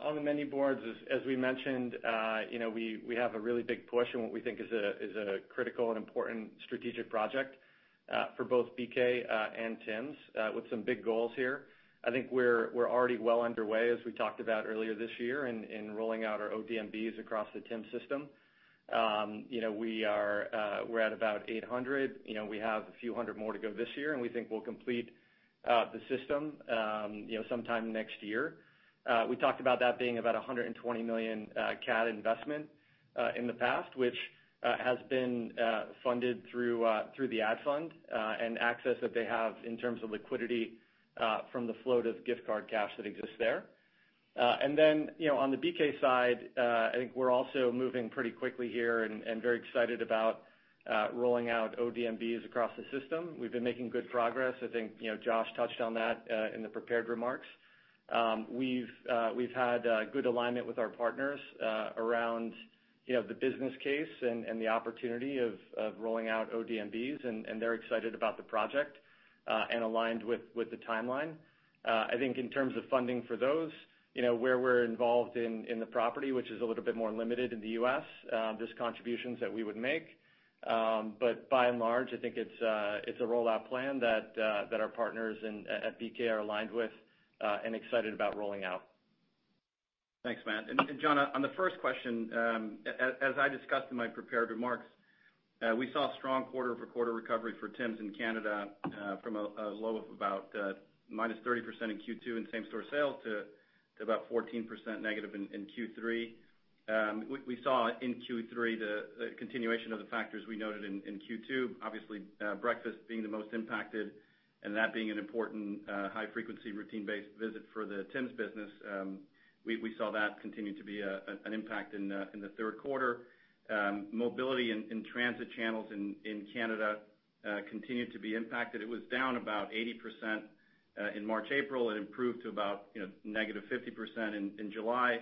on the menu boards, as we mentioned, we have a really big push and what we think is a critical and important strategic project for both BK and Tims with some big goals here. I think we're already well underway, as we talked about earlier this year, in rolling out our ODMBs across the Tims system. We're at about 800. We have a few hundred more to go this year, we think we'll complete the system sometime next year. We talked about that being about 120 million CAD investment in the past, which has been funded through the ad fund and access that they have in terms of liquidity from the float of gift card cash that exists there. On the BK side, I think we're also moving pretty quickly here and very excited about rolling out ODMBs across the system. We've been making good progress. I think Josh touched on that in the prepared remarks. We've had good alignment with our partners around the business case and the opportunity of rolling out ODMBs. They're excited about the project and aligned with the timeline. I think in terms of funding for those, where we're involved in the property, which is a little bit more limited in the U.S., there's contributions that we would make. By and large, I think it's a rollout plan that our partners at BK are aligned with and excited about rolling out. Thanks, Matt. John, on the first question, as I discussed in my prepared remarks, we saw strong quarter-over-quarter recovery for Tim's in Canada from a low of about -30% in Q2 in same-store sales to about 14%- in Q3. We saw in Q3 the continuation of the factors we noted in Q2. Obviously, breakfast being the most impacted, and that being an important high-frequency routine-based visit for the Tim's business. We saw that continue to be an impact in the Q3. Mobility in transit channels in Canada continued to be impacted. It was down about 80% in March, April. It improved to about -50% in July.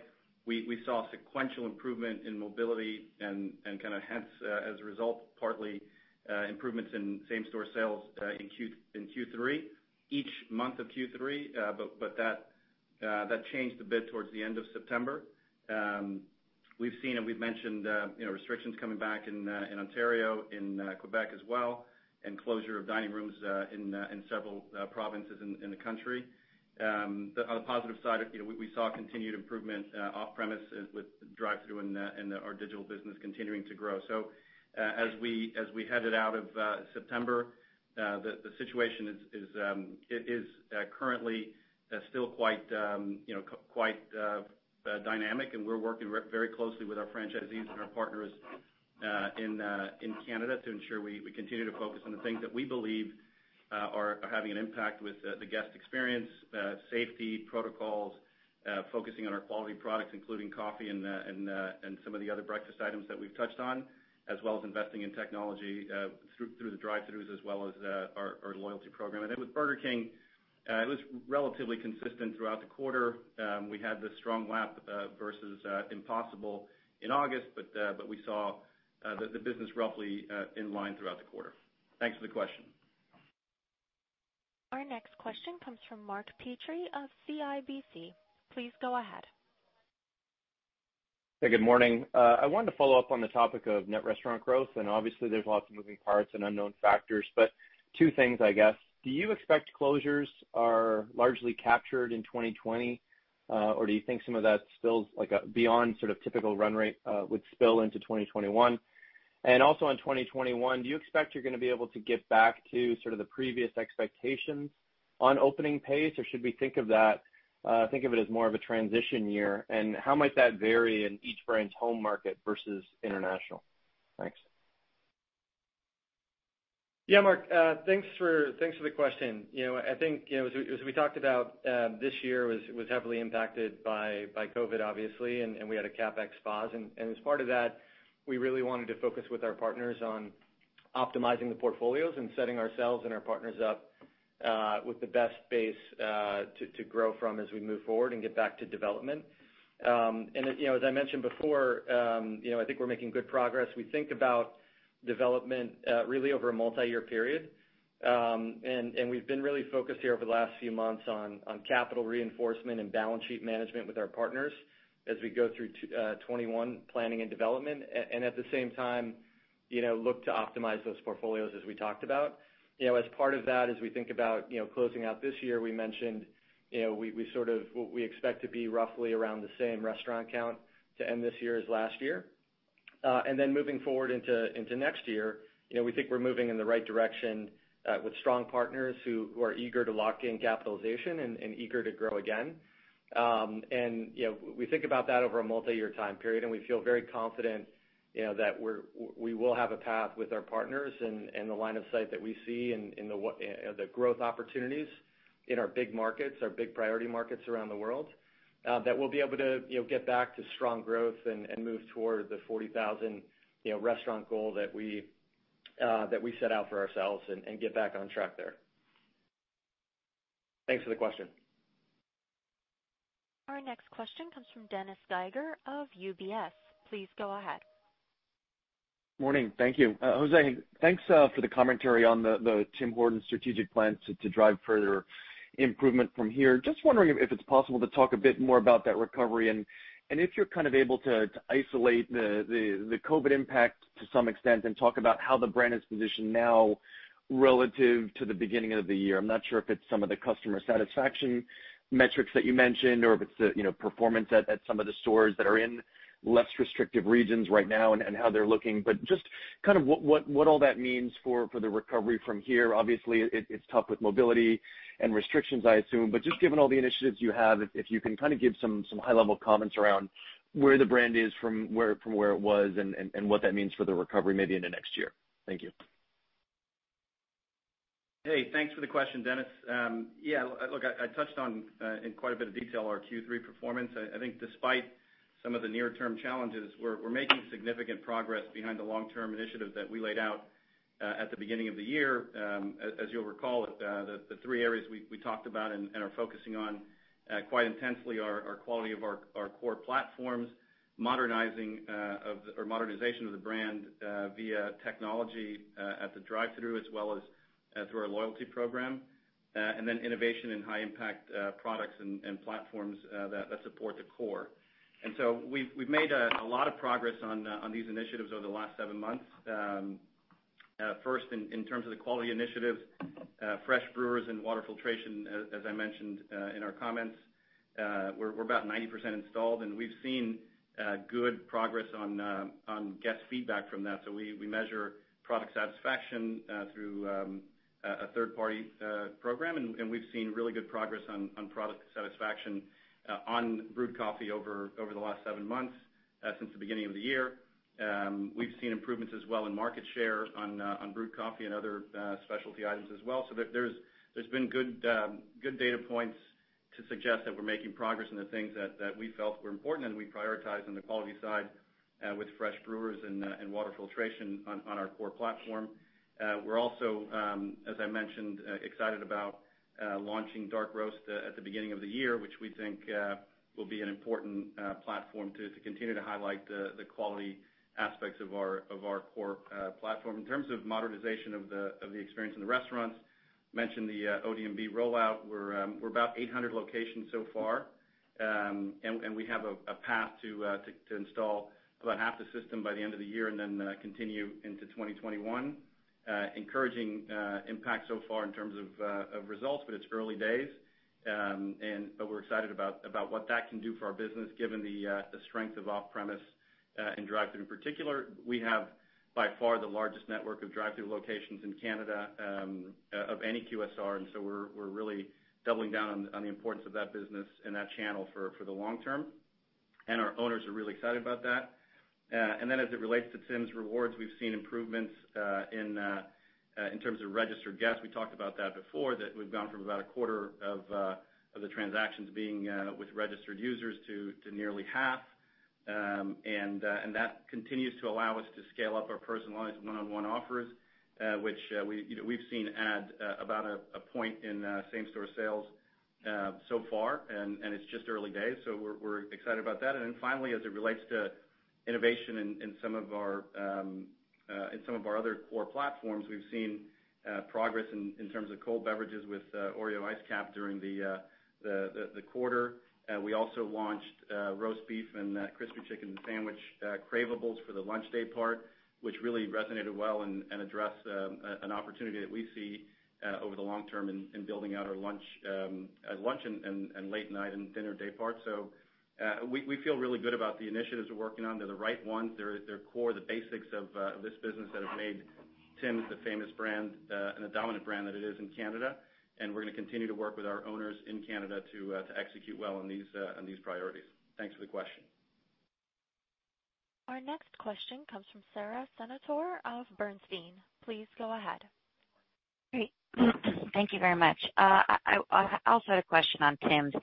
We saw sequential improvement in mobility and hence, as a result, partly improvements in same-store sales in Q3, each month of Q3. That changed a bit towards the end of September. We've seen and we've mentioned restrictions coming back in Ontario, in Quebec as well, and closure of dining rooms in several provinces in the country. On the positive side, we saw continued improvement off-premise with drive-through and our digital business continuing to grow. As we headed out of September, the situation is currently still quite dynamic, and we're working very closely with our franchisees and our partners in Canada to ensure we continue to focus on the things that we believe are having an impact with the guest experience, safety protocols, Focusing on our quality products, including coffee and some of the other breakfast items that we've touched on, as well as investing in technology through the drive-throughs, as well as our loyalty program. With Burger King, it was relatively consistent throughout the quarter. We had the strong lap versus Impossible in August, but we saw the business roughly in line throughout the quarter. Thanks for the question. Our next question comes from Mark Petrie of CIBC. Please go ahead. Hey, good morning. I wanted to follow up on the topic of net restaurant growth, and obviously there's lots of moving parts and unknown factors, but two things, I guess. Do you expect closures are largely captured in 2020? Or do you think some of that spills like beyond sort of typical run rate would spill into 2021? Also in 2021, do you expect you're going to be able to get back to sort of the previous expectations on opening pace? Or should we think of it as more of a transition year? How might that vary in each brand's home market versus international? Thanks. Yeah, Mark. Thanks for the question. I think, as we talked about this year was heavily impacted by COVID, obviously, and we had a CapEx pause. As part of that, we really wanted to focus with our partners on optimizing the portfolios and setting ourselves and our partners up with the best base to grow from as we move forward and get back to development. As I mentioned before, I think we're making good progress. We think about development really over a multi-year period. We've been really focused here over the last few months on capital reinforcement and balance sheet management with our partners as we go through 2021 planning and development. At the same time, look to optimize those portfolios as we talked about. As part of that, as we think about closing out this year, we mentioned we expect to be roughly around the same restaurant count to end this year as last year. Moving forward into next year, we think we're moving in the right direction with strong partners who are eager to lock in capitalization and eager to grow again. We think about that over a multi-year time period, and we feel very confident that we will have a path with our partners and the line of sight that we see and the growth opportunities in our big markets, our big priority markets around the world, that we'll be able to get back to strong growth and move toward the 40,000 restaurant goal that we set out for ourselves and get back on track there. Thanks for the question. Our next question comes from Dennis Geiger of UBS. Please go ahead. Morning. Thank you. Jose, thanks for the commentary on the Tim Hortons strategic plan to drive further improvement from here. Just wondering if it's possible to talk a bit more about that recovery and if you're kind of able to isolate the COVID impact to some extent and talk about how the brand is positioned now relative to the beginning of the year. I'm not sure if it's some of the customer satisfaction metrics that you mentioned or if it's the performance at some of the stores that are in less restrictive regions right now and how they're looking. But just kind of what all that means for the recovery from here? Obviously, it's tough with mobility and restrictions, I assume, but just given all the initiatives you have, if you can kind of give some high-level comments around where the brand is from where it was and what that means for the recovery maybe into next year. Thank you. Hey, thanks for the question, Dennis. Look, I touched on, in quite a bit of detail, our Q3 performance. I think despite some of the near-term challenges, we're making significant progress behind the long-term initiative that we laid out at the beginning of the year. As you'll recall, the three areas we talked about and are focusing on quite intensely are quality of our core platforms, modernization of the brand via technology at the drive-through, As well as through our loyalty program, innovation in high-impact products and platforms that support the core. We've made a lot of progress on these initiatives over the last seven months. First, in terms of the quality initiative, Fresh Brewers and water filtration, as I mentioned in our comments. We're about 90% installed, and we've seen good progress on guest feedback from that. We measure product satisfaction through a third-party program, and we've seen really good progress on product satisfaction on brewed coffee over the last seven months, since the beginning of the year. We've seen improvements as well in market share on brewed coffee and other specialty items as well. There's been good data points to suggest that we're making progress on the things that we felt were important, and we prioritize on the quality side with Fresh Brewer and water filtration on our core platform. We're also, as I mentioned, excited about launching dark roast at the beginning of the year, which we think will be an important platform to continue to highlight the quality aspects of our core platform. In terms of modernization of the experience in the restaurants, we mentioned the ODMB rollout. We're about 800 locations so far. We have a path to install about half the system by the end of the year and then continue into 2021. Encouraging impact so far in terms of results, but it's early days. We're excited about what that can do for our business, given the strength of off-premise and drive-thru in particular. We have by far the largest network of drive-thru locations in Canada of any QSR. We're really doubling down on the importance of that business and that channel for the long term. Our owners are really excited about that. As it relates to Tims Rewards, we've seen improvements in terms of registered guests. We talked about that before, that we've gone from about a quarter of the transactions being with registered users to nearly half. That continues to allow us to scale up our personalized one-on-one offers, which we've seen add about a point in same-store sales so far, and it's just early days, so we're excited about that. Finally, as it relates to innovation in some of our other core platforms, we've seen progress in terms of cold beverages with Oreo Iced Capp during the quarter. We also launched Roast Beef and Crispy Chicken sandwich Cravebles for the lunch day part, which really resonated well and addressed an opportunity that we see over the long term in building out our lunch and late night and dinner day part. We feel really good about the initiatives we're working on. They're the right ones. They're core, the basics of this business that have made Tim's the famous brand and the dominant brand that it is in Canada. We're going to continue to work with our owners in Canada to execute well on these priorities. Thanks for the question. Our next question comes from Sara Senatore of Bernstein. Please go ahead. Great. Thank you very much. I also had a question on Tim's.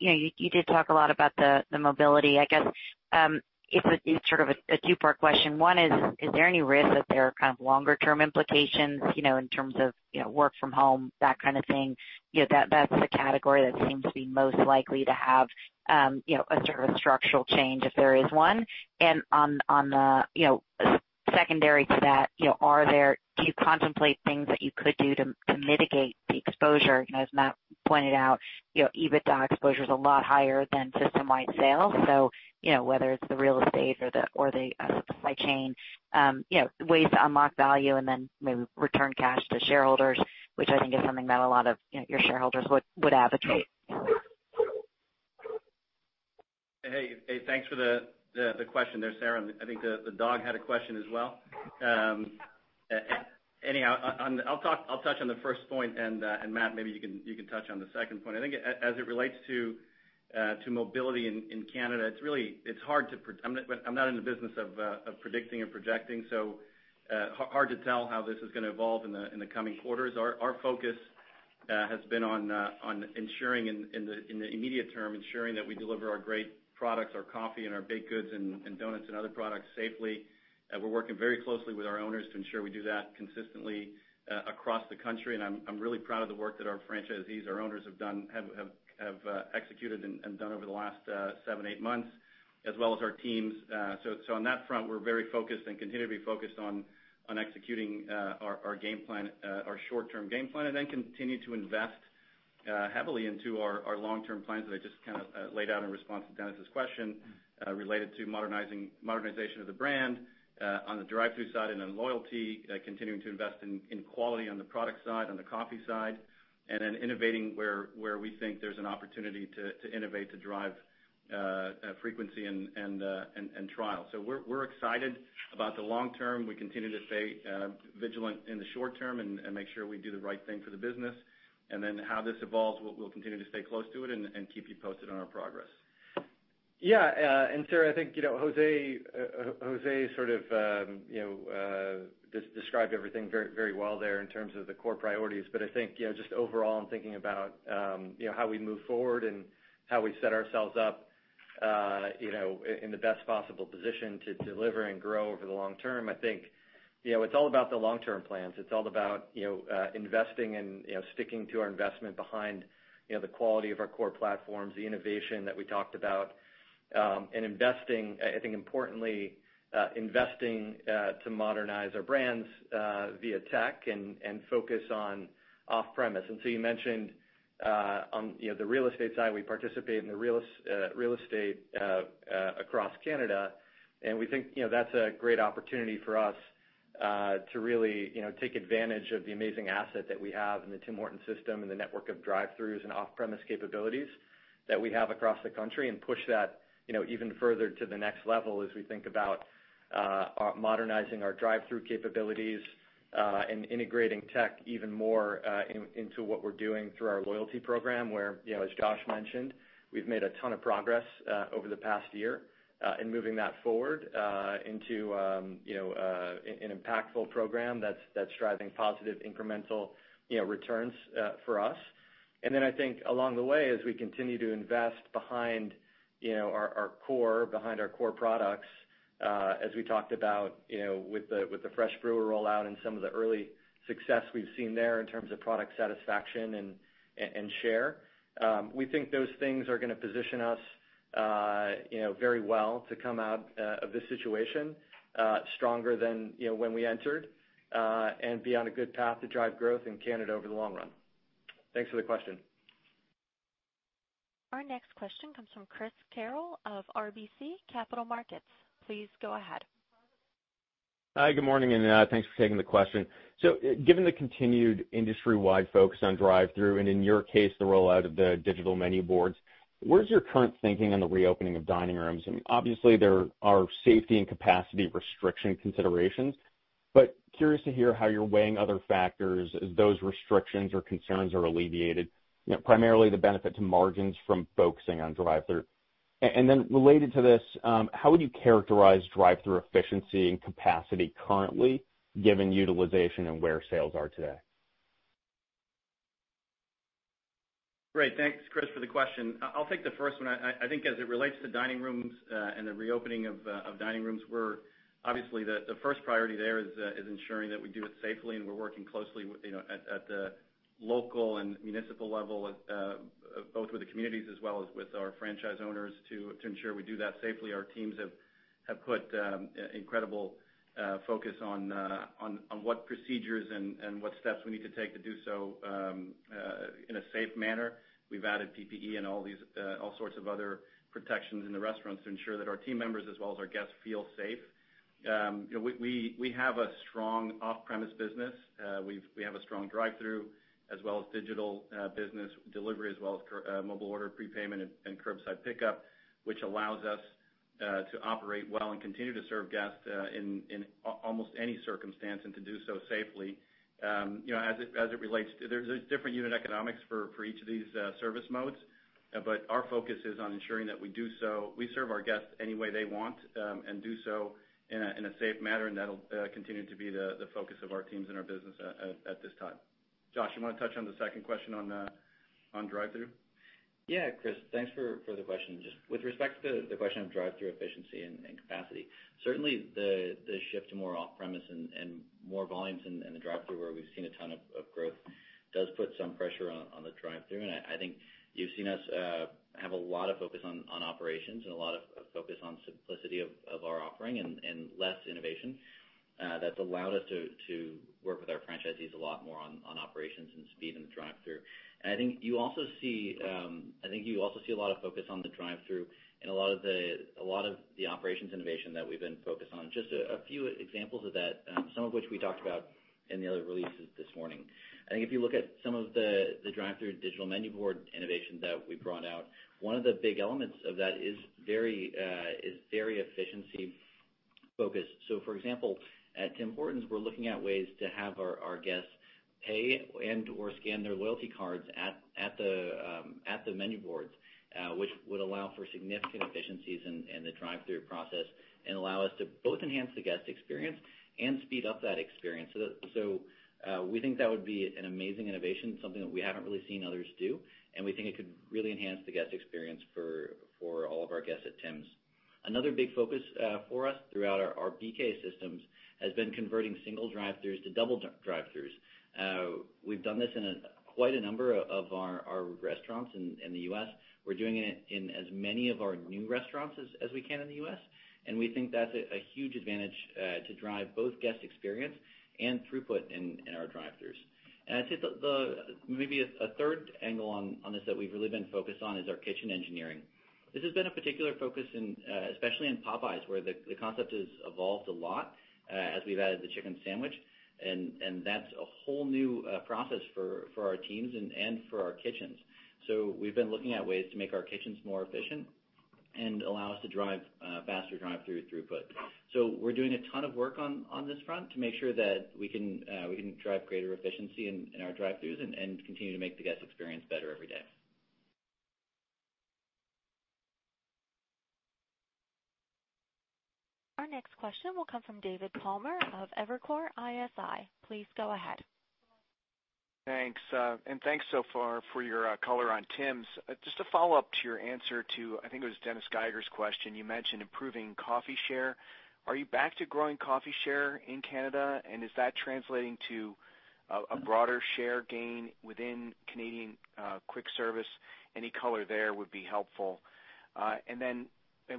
You did talk a lot about the mobility. I guess, it's sort of a two-part question. One is: Is there any risk that there are kind of longer-term implications in terms of work from home, that kind of thing? That's the category that seems to be most likely to have a structural change, if there is one. Secondary to that, do you contemplate things that you could do to mitigate the exposure? As Matt pointed out, EBITDA exposure's a lot higher than system-wide sales. Whether it's the real estate or the supply chain ways to unlock value and then maybe return cash to shareholders, which I think is something that a lot of your shareholders would advocate. Hey, thanks for the question there, Sara, and I think the dog had a question as well. Anyhow, I'll touch on the first point, and Matt, maybe you can touch on the second point. I think as it relates to mobility in Canada, I'm not in the business of predicting and projecting, so hard to tell how this is going to evolve in the coming quarters. Our focus has been on ensuring in the immediate term, ensuring that we deliver our great products, our coffee and our baked goods and donuts and other products safely. We're working very closely with our owners to ensure we do that consistently across the country, and I'm really proud of the work that our franchisees, our owners have executed and done over the last seven, eight months, as well as our teams. On that front, we're very focused and continue to be focused on executing our short-term game plan, and then continue to invest heavily into our long-term plans that I just kind of laid out in response to Dennis' question related to modernization of the brand on the drive-thru side and in loyalty, continuing to invest in quality on the product side, on the coffee side, and then innovating where we think there's an opportunity to innovate to drive frequency and trial. We're excited about the long term. We continue to stay vigilant in the short term and make sure we do the right thing for the business. How this evolves, we'll continue to stay close to it and keep you posted on our progress. Yeah, Sara, I think Jose sort of described everything very well there in terms of the core priorities. I think just overall in thinking about how we move forward and how we set ourselves up in the best possible position to deliver and grow over the long term, I think it's all about the long-term plans. It's all about investing and sticking to our investment behind the quality of our core platforms, the innovation that we talked about, and I think importantly, investing to modernize our brands via tech and focus on off-premise. You mentioned on the real estate side, we participate in the real estate across Canada. We think that's a great opportunity for us to really take advantage of the amazing asset that we have in the Tim Hortons system and the network of drive-throughs and off-premise capabilities that we have across the country, and push that even further to the next level as we think about modernizing our drive-through capabilities. Integrating tech even more into what we're doing through our loyalty program where, as Josh mentioned, we've made a ton of progress over the past year, in moving that forward into an impactful program that's driving positive incremental returns for us. I think along the way, as we continue to invest behind our core products, as we talked about with the Fresh Brewer rollout and some of the early success we've seen there in terms of product satisfaction and share. We think those things are going to position us very well to come out of this situation stronger than when we entered, and be on a good path to drive growth in Canada over the long run. Thanks for the question. Our next question comes from Chris Carril of RBC Capital Markets. Please go ahead. Hi, good morning, and thanks for taking the question. Given the continued industry-wide focus on drive-through and in your case, the rollout of the digital menu boards, where's your current thinking on the reopening of dining rooms? Obviously, there are safety and capacity restriction considerations, but curious to hear how you're weighing other factors as those restrictions or concerns are alleviated, primarily the benefit to margins from focusing on drive-through. Related to this, how would you characterize drive-through efficiency and capacity currently given utilization and where sales are today? Great. Thanks, Chris, for the question. I'll take the first one. I think as it relates to dining rooms, and the reopening of dining rooms, obviously the first priority there is ensuring that we do it safely, and we're working closely at the local and municipal level, both with the communities as well as with our franchise owners to ensure we do that safely. Our teams have put incredible focus on what procedures and what steps we need to take to do so in a safe manner. We've added PPE and all sorts of other protections in the restaurants to ensure that our team members as well as our guests feel safe. We have a strong off-premise business. We have a strong drive-through as well as digital business delivery, as well as mobile order prepayment and curbside pickup, which allows us to operate well and continue to serve guests in almost any circumstance and to do so safely. There's different unit economics for each of these service modes, but our focus is on ensuring that we serve our guests any way they want, and do so in a safe manner, and that'll continue to be the focus of our teams and our business at this time. Josh, you want to touch on the second question on drive-through? Yeah, Chris, thanks for the question. Just with respect to the question of drive-through efficiency and capacity, certainly the shift to more off-premise and more volumes in the drive-through where we've seen a ton of growth, does put some pressure on the drive-through, and I think you've seen us have a lot of focus on operations and a lot of focus on simplicity of our offering and less innovation. That's allowed us to work with our franchisees a lot more on operations and speed in the drive-through. I think you also see a lot of focus on the drive-through and a lot of the operations innovation that we've been focused on. Just a few examples of that, some of which we talked about in the other releases this morning. I think if you look at some of the drive-through digital menu board innovation that we've brought out, one of the big elements of that is very efficiency focused. For example, at Tim Hortons, we're looking at ways to have our guests pay and/or scan their loyalty cards at the menu boards, which would allow for significant efficiencies in the drive-through process and allow us to both enhance the guest experience and speed up that experience. We think that would be an amazing innovation, something that we haven't really seen others do, and we think it could really enhance the guest experience for all of our guests at Tim's. Another big focus for us throughout our BK systems has been converting single drive-throughs to double drive-throughs. We've done this in quite a number of our restaurants in the U.S. We're doing it in as many of our new restaurants as we can in the U.S., and we think that's a huge advantage to drive both guest experience and throughput in our drive-throughs. I'd say maybe a third angle on this that we've really been focused on is our kitchen engineering. This has been a particular focus especially in Popeyes, where the concept has evolved a lot, As we've added the chicken sandwich, and that's a whole new process for our teams and for our kitchens. We've been looking at ways to make our kitchens more efficient and allow us to drive faster drive-through throughput. We're doing a ton of work on this front to make sure that we can drive greater efficiency in our drive-throughs and continue to make the guest experience better every day. Our next question will come from David Palmer of Evercore ISI. Please go ahead. Thanks, and thanks so far for your color on Tim's. Just a follow-up to your answer to, I think it was Dennis Geiger's question. You mentioned improving coffee share. Are you back to growing coffee share in Canada, and is that translating to a broader share gain within Canadian quick service? Any color there would be helpful.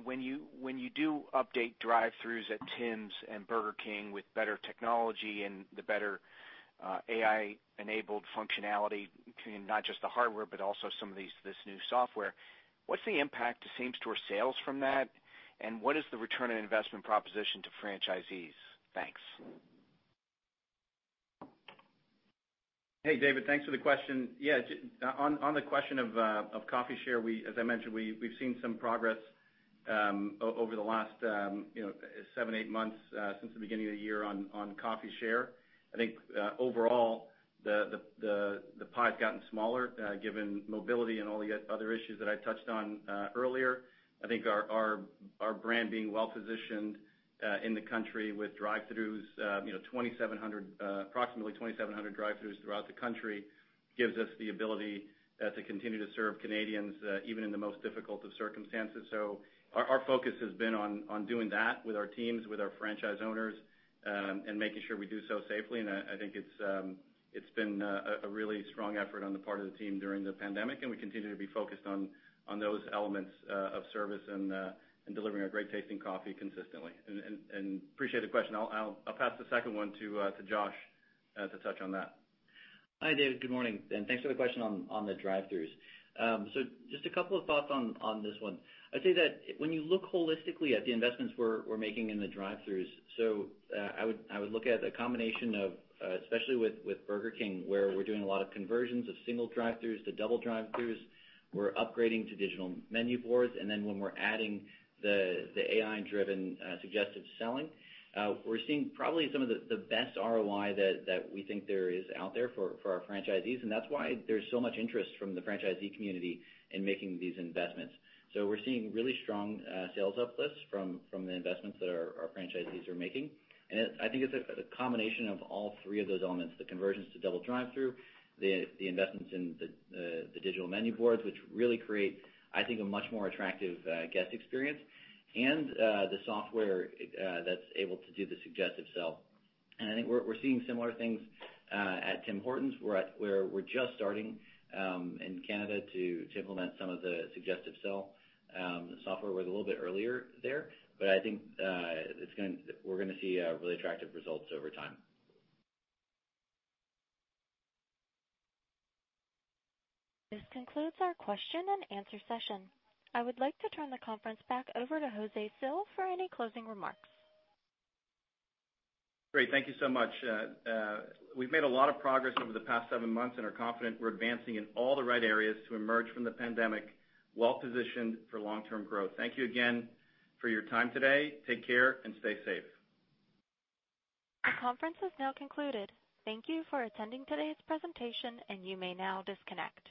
When you do update drive-throughs at Tim's and Burger King with better technology and the better AI-enabled functionality between not just the hardware, but also some of this new software. What's the impact to same-store sales from that? What is the return on investment proposition to franchisees? Thanks. Hey, David, thanks for the question. Yeah. On the question of coffee share, as I mentioned, we've seen some progress over the last seven, eight months, since the beginning of the year on coffee share. I think, overall, the pie's gotten smaller, given mobility and all the other issues that I touched on earlier. I think our brand being well-positioned in the country with drive-throughs, approximately 2,700 drive-throughs throughout the country, gives us the ability to continue to serve Canadians, even in the most difficult of circumstances. Our focus has been on doing that with our teams, with our franchise owners, and making sure we do so safely. I think it's been a really strong effort on the part of the team during the pandemic, and we continue to be focused on those elements of service and delivering a great tasting coffee consistently. Appreciate the question. I'll pass the second one to Josh to touch on that. Hi, David. Good morning, thanks for the question on the drive-throughs. Just a couple of thoughts on this one. I'd say that when you look holistically at the investments we're making in the drive-throughs, I would look at the combination of, especially with Burger King, where we're doing a lot of conversions of single drive-throughs to double drive-throughs. We're upgrading to digital menu boards, then when we're adding the AI-driven suggestive selling, we're seeing probably some of the best ROI that we think there is out there for our franchisees, that's why there's so much interest from the franchisee community in making these investments. We're seeing really strong sales uplifts from the investments that our franchisees are making. I think it's a combination of all three of those elements, the conversions to double drive-through, the investments in the digital menu boards, which really create, I think, a much more attractive guest experience, and the software that's able to do the suggestive sell. I think we're seeing similar things at Tim Hortons, where we're just starting in Canada to implement some of the suggestive sell software. We're a little bit earlier there, but I think we're going to see really attractive results over time. This concludes our question and answer session. I would like to turn the conference back over to Jose Cil for any closing remarks. Great. Thank you so much. We've made a lot of progress over the past seven months and are confident we're advancing in all the right areas to emerge from the pandemic well positioned for long-term growth. Thank you again for your time today. Take care and stay safe. The conference is now concluded. Thank you for attending today's presentation. You may now disconnect.